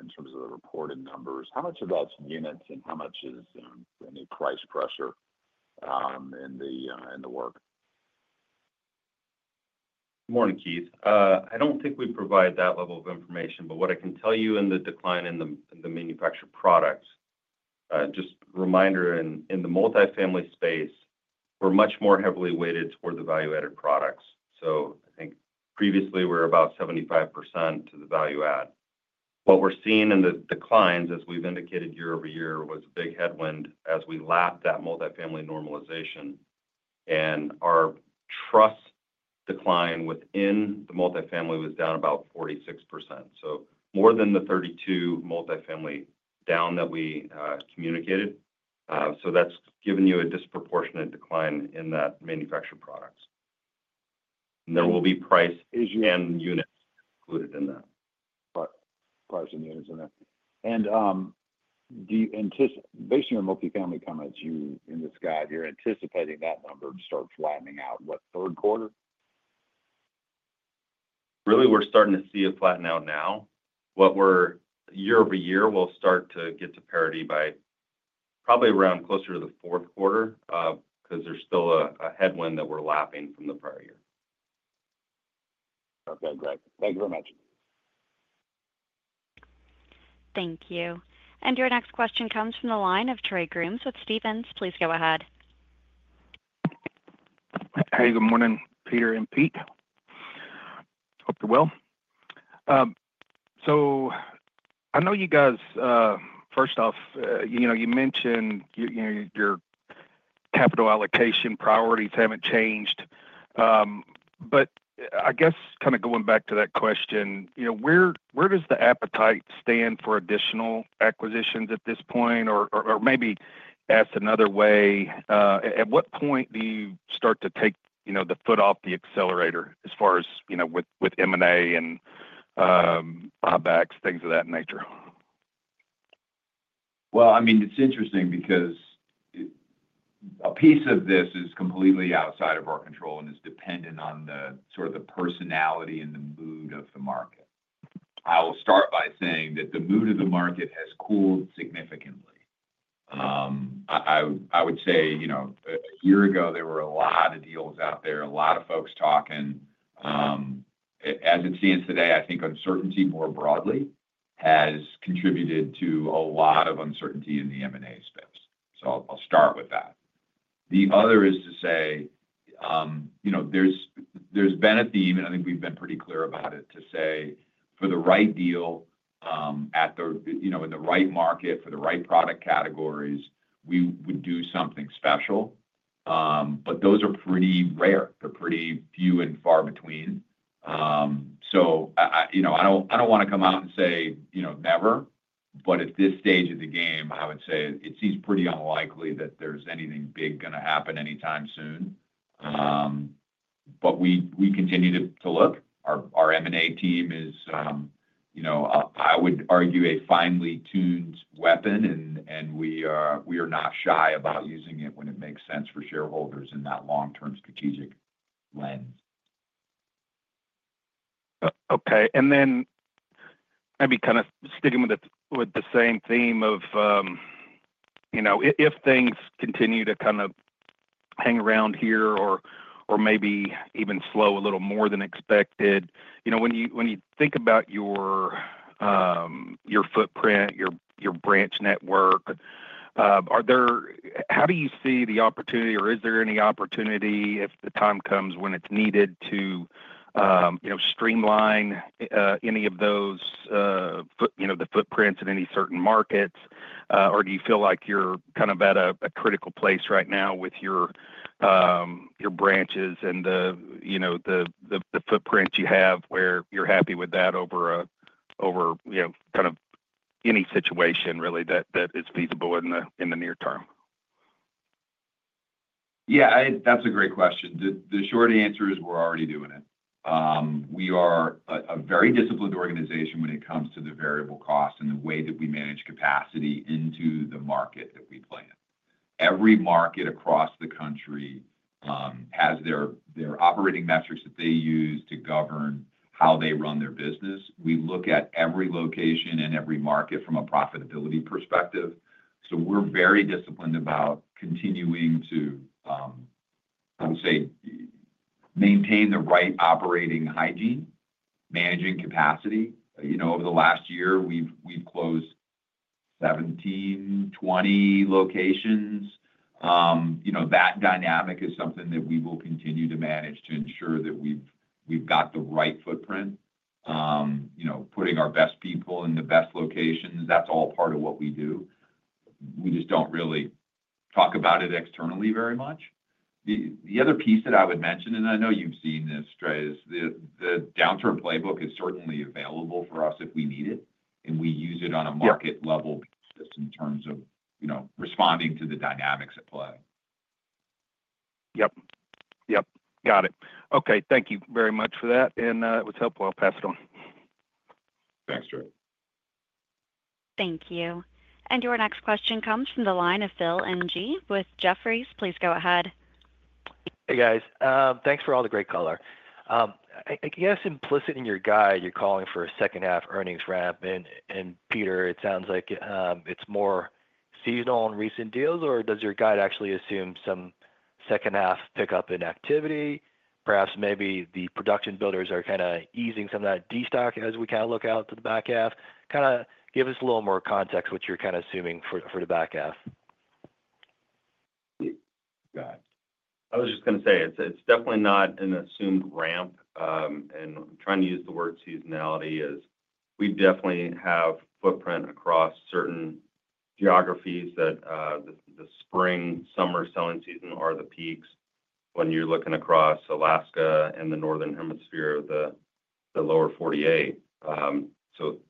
Speaker 10: in terms of the reported numbers, how much of that's units and how much is any price pressure in the work?
Speaker 4: Morning, Keith. I don't think we provide that level of information, but what I can tell you in the decline in the manufactured products, just a reminder, in the multifamily space, we're much more heavily weighted toward the value-added products. I think previously we were about 75% to the value-add. What we're seeing in the declines, as we've indicated year-over-year, was a big headwind as we lapped that multifamily normalization. Our truss decline within the multifamily was down about 46%. More than the 32% multifamily down that we communicated. That is giving you a disproportionate decline in that manufactured products. There will be price and units included in that.
Speaker 10: Price and units in there. Based on your multifamily comments in the sky, you're anticipating that number to start flattening out what, third quarter?
Speaker 4: Really, we're starting to see it flatten out now. Year-over-year, we'll start to get to parity by probably around closer to the fourth quarter because there's still a headwind that we're lapping from the prior year.
Speaker 10: Okay. Great. Thank you very much.
Speaker 1: Thank you. Your next question comes from the line of Trey Grooms with Stephens. Please go ahead.
Speaker 11: Hey. Good morning, Peter and Pete. Hope you're well. I know you guys, first off, you mentioned your capital allocation priorities haven't changed. I guess kind of going back to that question, where does the appetite stand for additional acquisitions at this point? Maybe asked another way, at what point do you start to take the foot off the accelerator as far as with M&A and buybacks, things of that nature?
Speaker 3: I mean, it's interesting because a piece of this is completely outside of our control and is dependent on sort of the personality and the mood of the market. I will start by saying that the mood of the market has cooled significantly. I would say a year ago, there were a lot of deals out there, a lot of folks talking. As it stands today, I think uncertainty more broadly has contributed to a lot of uncertainty in the M&A space. I'll start with that. The other is to say there's been a theme, and I think we've been pretty clear about it, to say for the right deal in the right market for the right product categories, we would do something special. Those are pretty rare. They're pretty few and far between. I do not want to come out and say never, but at this stage of the game, I would say it seems pretty unlikely that there is anything big going to happen anytime soon. We continue to look. Our M&A team is, I would argue, a finely tuned weapon, and we are not shy about using it when it makes sense for shareholders in that long-term strategic lens.
Speaker 11: Okay. Maybe kind of sticking with the same theme of if things continue to kind of hang around here or maybe even slow a little more than expected, when you think about your footprint, your branch network, how do you see the opportunity or is there any opportunity if the time comes when it's needed to streamline any of those footprints in any certain markets? Do you feel like you're kind of at a critical place right now with your branches and the footprint you have where you're happy with that over kind of any situation really that is feasible in the near term?
Speaker 3: Yeah. That's a great question. The short answer is we're already doing it. We are a very disciplined organization when it comes to the variable costs and the way that we manage capacity into the market that we play. Every market across the country has their operating metrics that they use to govern how they run their business. We look at every location and every market from a profitability perspective. So we're very disciplined about continuing to, I would say, maintain the right operating hygiene, managing capacity. Over the last year, we've closed 17-20 locations. That dynamic is something that we will continue to manage to ensure that we've got the right footprint, putting our best people in the best locations. That's all part of what we do. We just don't really talk about it externally very much. The other piece that I would mention, and I know you've seen this, Trey, is the downturn playbook is certainly available for us if we need it, and we use it on a market-level basis in terms of responding to the dynamics at play.
Speaker 8: Yep. Yep. Got it. Okay. Thank you very much for that. It was helpful. I'll pass it on.
Speaker 3: Thanks, Trey.
Speaker 1: Thank you. Your next question comes from the line of Phil Ng with Jefferies. Please go ahead.
Speaker 12: Hey, guys. Thanks for all the great color. I guess implicit in your guide, you're calling for a second-half earnings ramp. Peter, it sounds like it's more seasonal and recent deals, or does your guide actually assume some second-half pickup in activity? Perhaps maybe the production builders are kind of easing some of that destock as we kind of look out to the back half. Kind of give us a little more context of what you're kind of assuming for the back half.
Speaker 4: Got it. I was just going to say it's definitely not an assumed ramp. Trying to use the word seasonality is we definitely have footprint across certain geographies that the spring, summer selling season are the peaks when you're looking across Alaska and the northern hemisphere of the lower 48. It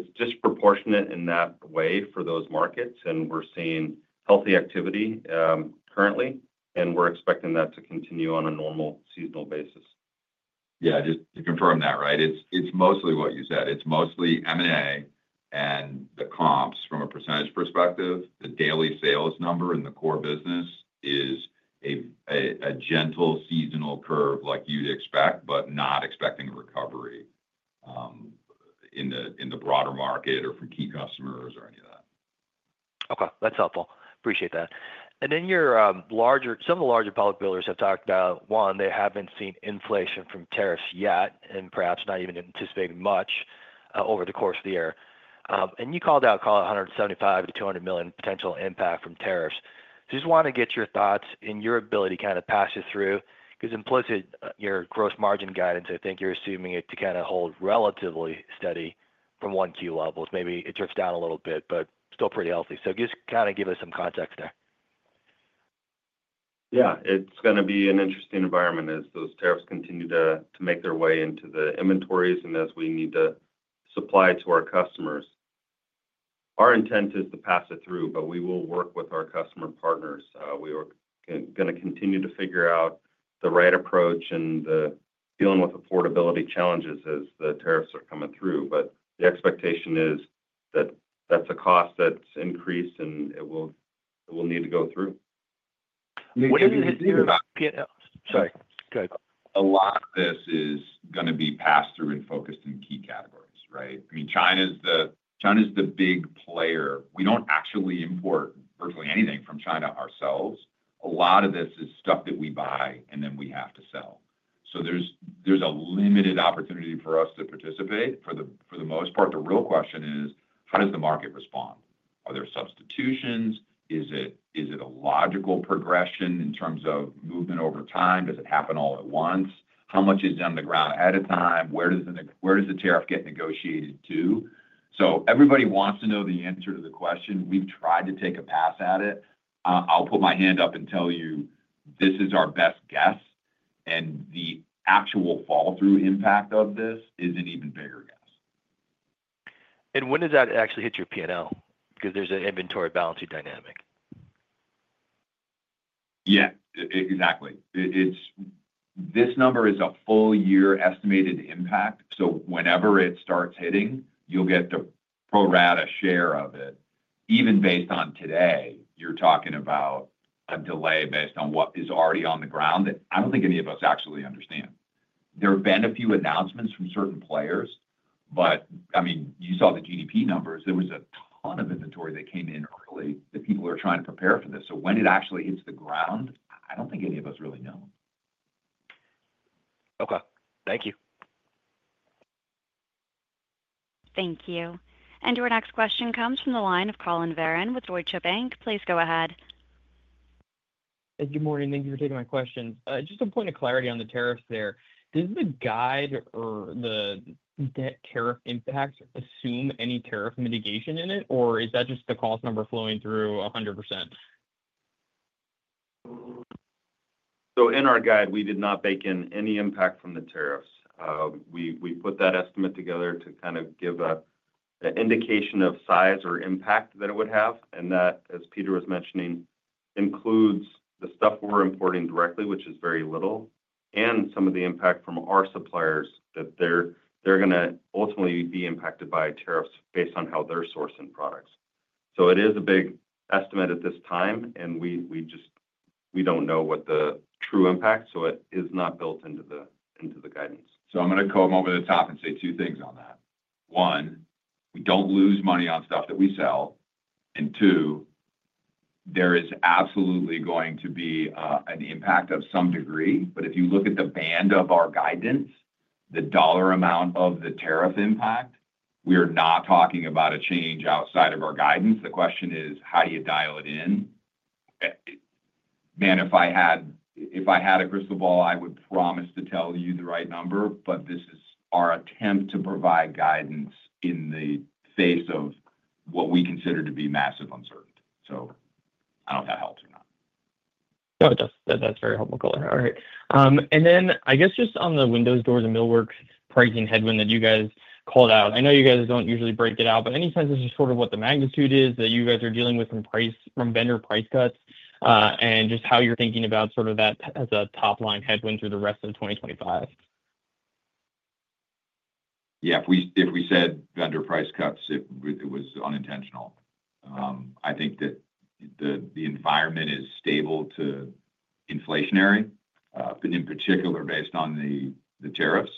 Speaker 4: is disproportionate in that way for those markets, and we're seeing healthy activity currently, and we're expecting that to continue on a normal seasonal basis.
Speaker 3: Yeah. Just to confirm that, right? It's mostly what you said. It's mostly M&A and the comps. From a percentage perspective, the daily sales number in the core business is a gentle seasonal curve like you'd expect, but not expecting a recovery in the broader market or from key customers or any of that.
Speaker 12: Okay. That's helpful. Appreciate that. Some of the larger public builders have talked about, one, they have not seen inflation from tariffs yet and perhaps not even anticipating much over the course of the year. You called out, call it $175 million-$200 million potential impact from tariffs. I just want to get your thoughts and your ability to kind of pass it through because implicit in your gross margin guidance, I think you are assuming it to kind of hold relatively steady from one key level. Maybe it drifts down a little bit, but still pretty healthy. Just kind of give us some context there.
Speaker 4: Yeah. It's going to be an interesting environment as those tariffs continue to make their way into the inventories and as we need to supply to our customers. Our intent is to pass it through, but we will work with our customer partners. We are going to continue to figure out the right approach and dealing with affordability challenges as the tariffs are coming through. The expectation is that that's a cost that's increased, and it will need to go through.
Speaker 12: What do you mean? Peter? Sorry. Go ahead.
Speaker 3: A lot of this is going to be passed through and focused in key categories, right? I mean, China's the big player. We don't actually import virtually anything from China ourselves. A lot of this is stuff that we buy and then we have to sell. There is a limited opportunity for us to participate for the most part. The real question is, how does the market respond? Are there substitutions? Is it a logical progression in terms of movement over time? Does it happen all at once? How much is done on the ground at a time? Where does the tariff get negotiated to? Everybody wants to know the answer to the question. We've tried to take a pass at it. I'll put my hand up and tell you this is our best guess. The actual fall-through impact of this is an even bigger guess.
Speaker 12: When does that actually hit your P&L? Because there's an inventory balance dynamic.
Speaker 3: Yeah. Exactly. This number is a full-year estimated impact. So whenever it starts hitting, you'll get the pro rata share of it. Even based on today, you're talking about a delay based on what is already on the ground that I don't think any of us actually understand. There have been a few announcements from certain players, but I mean, you saw the GDP numbers. There was a ton of inventory that came in early that people are trying to prepare for this. So when it actually hits the ground, I don't think any of us really know.
Speaker 12: Okay. Thank you.
Speaker 1: Thank you. Your next question comes from the line of Collin Verron with Deutsche Bank. Please go ahead.
Speaker 13: Hey. Good morning. Thank you for taking my questions. Just a point of clarity on the tariffs there. Does the guide or the debt tariff impact assume any tariff mitigation in it, or is that just the cost number flowing through 100%?
Speaker 4: In our guide, we did not bake in any impact from the tariffs. We put that estimate together to kind of give an indication of size or impact that it would have. That, as Peter was mentioning, includes the stuff we're importing directly, which is very little, and some of the impact from our suppliers that they're going to ultimately be impacted by tariffs based on how they're sourcing products. It is a big estimate at this time, and we do not know what the true impact is. It is not built into the guidance.
Speaker 3: I'm going to come over the top and say two things on that. One, we don't lose money on stuff that we sell. Two, there is absolutely going to be an impact of some degree. If you look at the band of our guidance, the dollar amount of the tariff impact, we are not talking about a change outside of our guidance. The question is, how do you dial it in? Man, if I had a crystal ball, I would promise to tell you the right number, but this is our attempt to provide guidance in the face of what we consider to be massive uncertainty. I don't know if that helps or not.
Speaker 13: No, that's very helpful, color. All right. I guess just on the windows, doors, and millwork pricing headwind that you guys called out, I know you guys don't usually break it out, but any sense of sort of what the magnitude is that you guys are dealing with from vendor price cuts and just how you're thinking about sort of that as a top-line headwind through the rest of 2025?
Speaker 3: Yeah. If we said vendor price cuts, it was unintentional. I think that the environment is stable to inflationary, but in particular, based on the tariffs.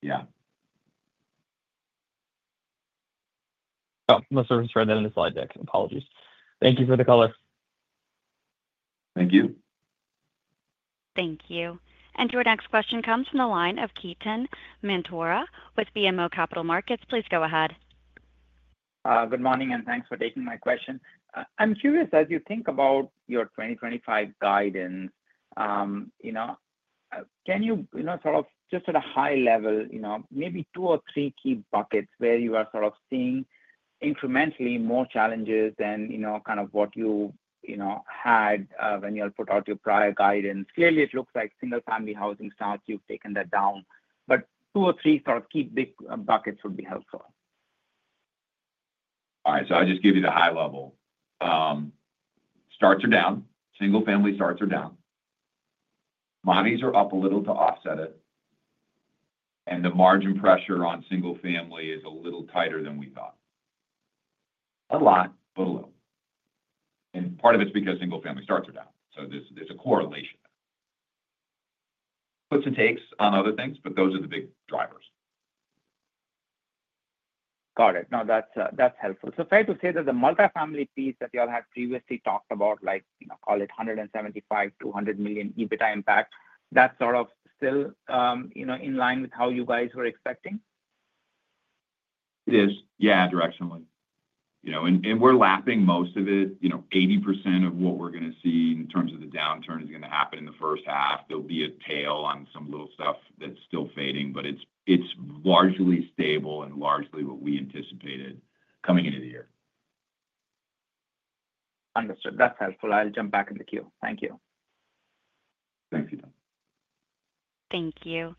Speaker 3: Yeah.
Speaker 13: Oh, I'm sorry. I just read that in the slide deck. Apologies. Thank you for the color.
Speaker 3: Thank you.
Speaker 1: Thank you. Your next question comes from the line of Ketan Mamtora with BMO Capital Markets. Please go ahead.
Speaker 14: Good morning, and thanks for taking my question. I'm curious, as you think about your 2025 guidance, can you sort of just at a high level, maybe two or three key buckets where you are sort of seeing incrementally more challenges than kind of what you had when you had put out your prior guidance? Clearly, it looks like single-family housing starts. You've taken that down. Two or three sort of key big buckets would be helpful.
Speaker 3: All right. I'll just give you the high level. Starts are down. Single-family starts are down. Monies are up a little to offset it. The margin pressure on single-family is a little tighter than we thought. A lot, but a little. Part of it is because single-family starts are down. There is a correlation. Puts and takes on other things, but those are the big drivers.
Speaker 14: Got it. No, that's helpful. Fair to say that the multifamily piece that you all had previously talked about, like call it $175 million-$200 million EBITDA impact, that's sort of still in line with how you guys were expecting?
Speaker 3: It is. Yeah, directionally. We're lapping most of it. 80% of what we're going to see in terms of the downturn is going to happen in the first half. There'll be a tail on some little stuff that's still fading, but it's largely stable and largely what we anticipated coming into the year.
Speaker 14: Understood. That's helpful. I'll jump back in the queue. Thank you.
Speaker 1: Thank you.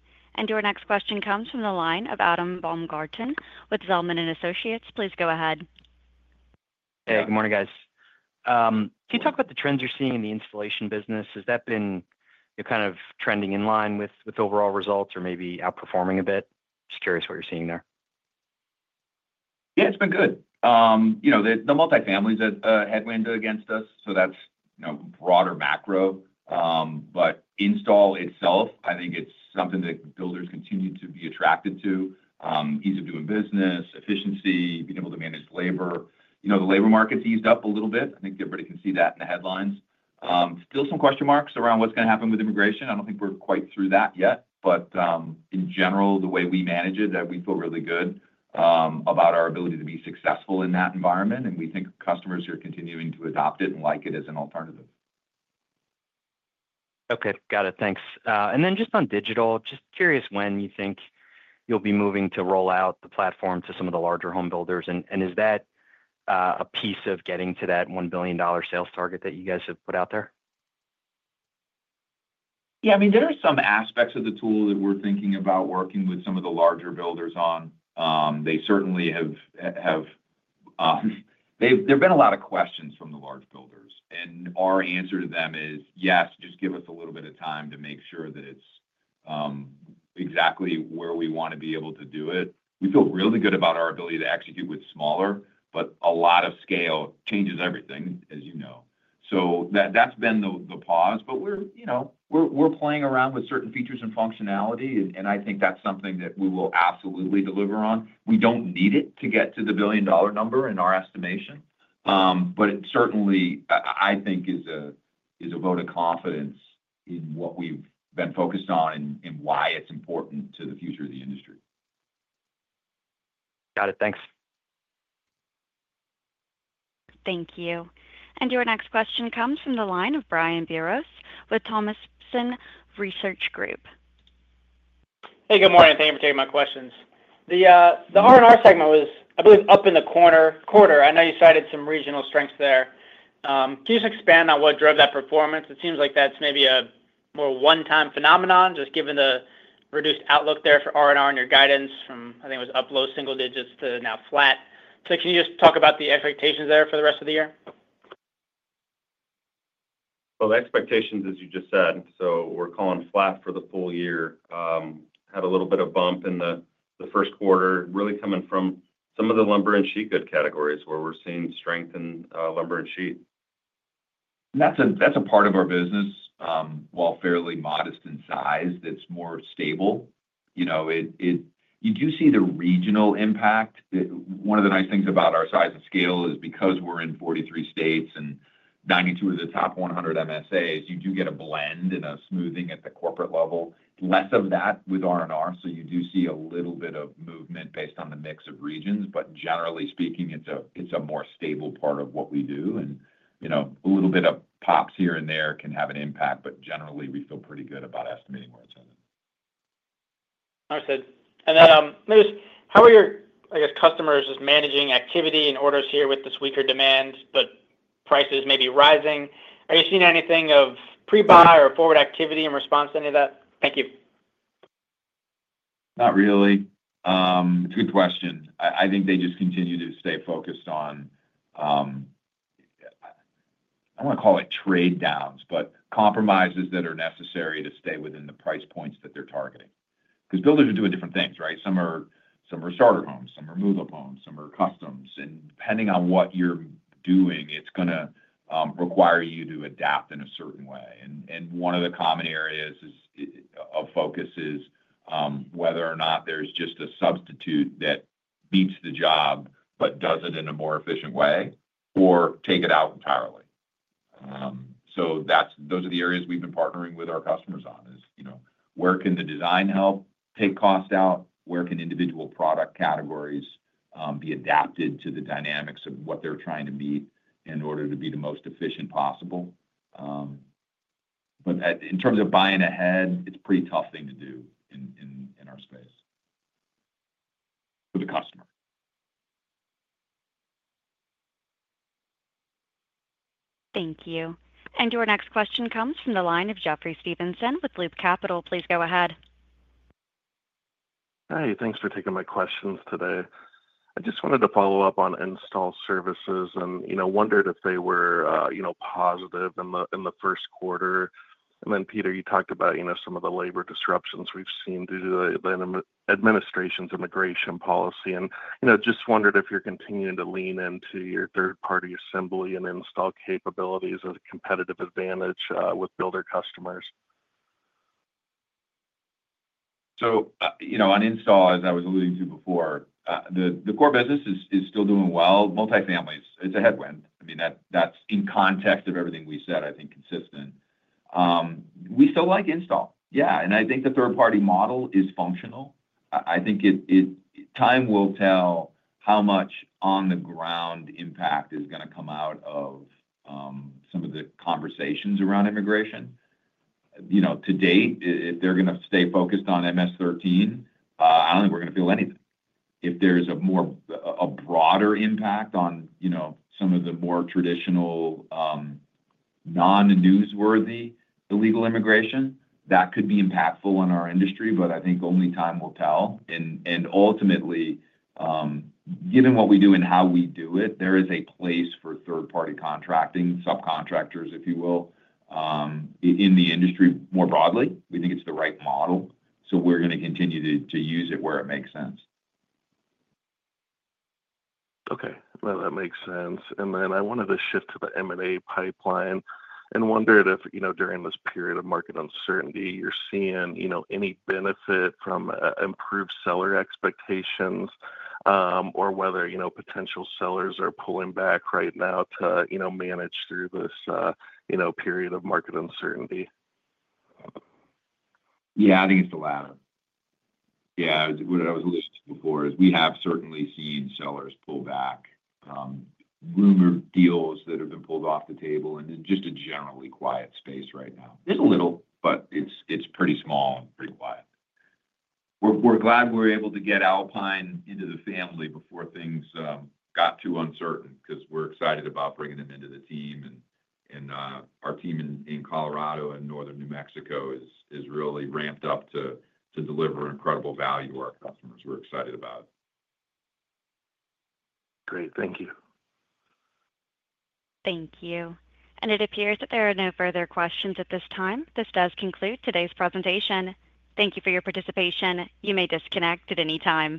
Speaker 1: Your next question comes from the line of Adam Baumgarten with Zelman & Associates. Please go ahead.
Speaker 15: Hey. Good morning, guys. Can you talk about the trends you're seeing in the installation business? Has that been kind of trending in line with overall results or maybe outperforming a bit? Just curious what you're seeing there.
Speaker 3: Yeah. It's been good. The multifamily is a headwind against us, so that's broader macro. But install itself, I think it's something that builders continue to be attracted to. Ease of doing business, efficiency, being able to manage labor. The labor market's eased up a little bit. I think everybody can see that in the headlines. Still some question marks around what's going to happen with immigration. I don't think we're quite through that yet. In general, the way we manage it, we feel really good about our ability to be successful in that environment. We think customers are continuing to adopt it and like it as an alternative.
Speaker 15: Okay. Got it. Thanks. Just on digital, just curious when you think you'll be moving to roll out the platform to some of the larger home builders. Is that a piece of getting to that $1 billion sales target that you guys have put out there?
Speaker 3: Yeah. I mean, there are some aspects of the tool that we're thinking about working with some of the larger builders on. They certainly have, there have been a lot of questions from the large builders. Our answer to them is, yes, just give us a little bit of time to make sure that it's exactly where we want to be able to do it. We feel really good about our ability to execute with smaller, but a lot of scale changes everything, you know. That has been the pause. We're playing around with certain features and functionality. I think that's something that we will absolutely deliver on. We don't need it to get to the billion-dollar number in our estimation. It certainly, I think, is a vote of confidence in what we've been focused on and why it's important to the future of the industry. Got it. Thanks.
Speaker 1: Thank you. Your next question comes from the line of Brian Biros with Thompson Research Group.
Speaker 16: Hey. Good morning. Thank you for taking my questions. The R&R segment was, I believe, up in the quarter. I know you cited some regional strengths there. Can you just expand on what drove that performance? It seems like that's maybe a more one-time phenomenon, just given the reduced outlook there for R&R and your guidance from, I think it was up low single digits to now flat. Can you just talk about the expectations there for the rest of the year?
Speaker 4: The expectations, as you just said. We're calling flat for the full year. Had a little bit of bump in the first quarter, really coming from some of the lumber and sheet good categories where we're seeing strength in lumber and sheet.
Speaker 3: That's a part of our business. While fairly modest in size, it's more stable. You do see the regional impact. One of the nice things about our size and scale is because we're in 43 states and 92 of the top 100 MSAs, you do get a blend and a smoothing at the corporate level. Less of that with R&R. You do see a little bit of movement based on the mix of regions. Generally speaking, it's a more stable part of what we do. A little bit of pops here and there can have an impact, but generally, we feel pretty good about estimating where it's headed.
Speaker 16: Understood. How are your, I guess, customers just managing activity and orders here with this weaker demand, but prices may be rising? Are you seeing anything of pre-buy or forward activity in response to any of that? Thank you.
Speaker 3: Not really. It's a good question. I think they just continue to stay focused on, I don't want to call it trade downs, but compromises that are necessary to stay within the price points that they're targeting. Because builders are doing different things, right? Some are starter homes. Some are move-up homes. Some are customs. Depending on what you're doing, it's going to require you to adapt in a certain way. One of the common areas of focus is whether or not there's just a substitute that beats the job but does it in a more efficient way or take it out entirely. Those are the areas we've been partnering with our customers on, is where can the design help take cost out? Where can individual product categories be adapted to the dynamics of what they're trying to meet in order to be the most efficient possible? In terms of buying ahead, it's a pretty tough thing to do in our space for the customer.
Speaker 1: Thank you. Your next question comes from the line of Jeffrey Stevenson with Loop Capital. Please go ahead.
Speaker 17: Hey. Thanks for taking my questions today. I just wanted to follow up on install services and wondered if they were positive in the first quarter. Peter, you talked about some of the labor disruptions we've seen due to the administration's immigration policy. I just wondered if you're continuing to lean into your third-party assembly and install capabilities as a competitive advantage with builder customers.
Speaker 3: On install, as I was alluding to before, the core business is still doing well. Multi-families. It's a headwind. I mean, that's in context of everything we said, I think, consistent. We still like install. Yeah. I think the third-party model is functional. I think time will tell how much on-the-ground impact is going to come out of some of the conversations around immigration. To date, if they're going to stay focused on MS-13, I don't think we're going to feel anything. If there's a broader impact on some of the more traditional non-newsworthy illegal immigration, that could be impactful on our industry. I think only time will tell. Ultimately, given what we do and how we do it, there is a place for third-party contracting, subcontractors, if you will, in the industry more broadly. We think it's the right model. We're going to continue to use it where it makes sense.
Speaker 17: Okay. That makes sense. I wanted to shift to the M&A pipeline and wondered if during this period of market uncertainty, you're seeing any benefit from improved seller expectations or whether potential sellers are pulling back right now to manage through this period of market uncertainty.
Speaker 3: Yeah. I think it's the latter. Yeah. What I was alluding to before is we have certainly seen sellers pull back, rumored deals that have been pulled off the table, and just a generally quiet space right now. There's a little, but it's pretty small and pretty quiet. We're glad we were able to get Alpine into the family before things got too uncertain because we're excited about bringing them into the team. Our team in Colorado and northern New Mexico is really ramped up to deliver incredible value to our customers we're excited about.
Speaker 17: Great. Thank you.
Speaker 1: Thank you. It appears that there are no further questions at this time. This does conclude today's presentation. Thank you for your participation. You may disconnect at any time.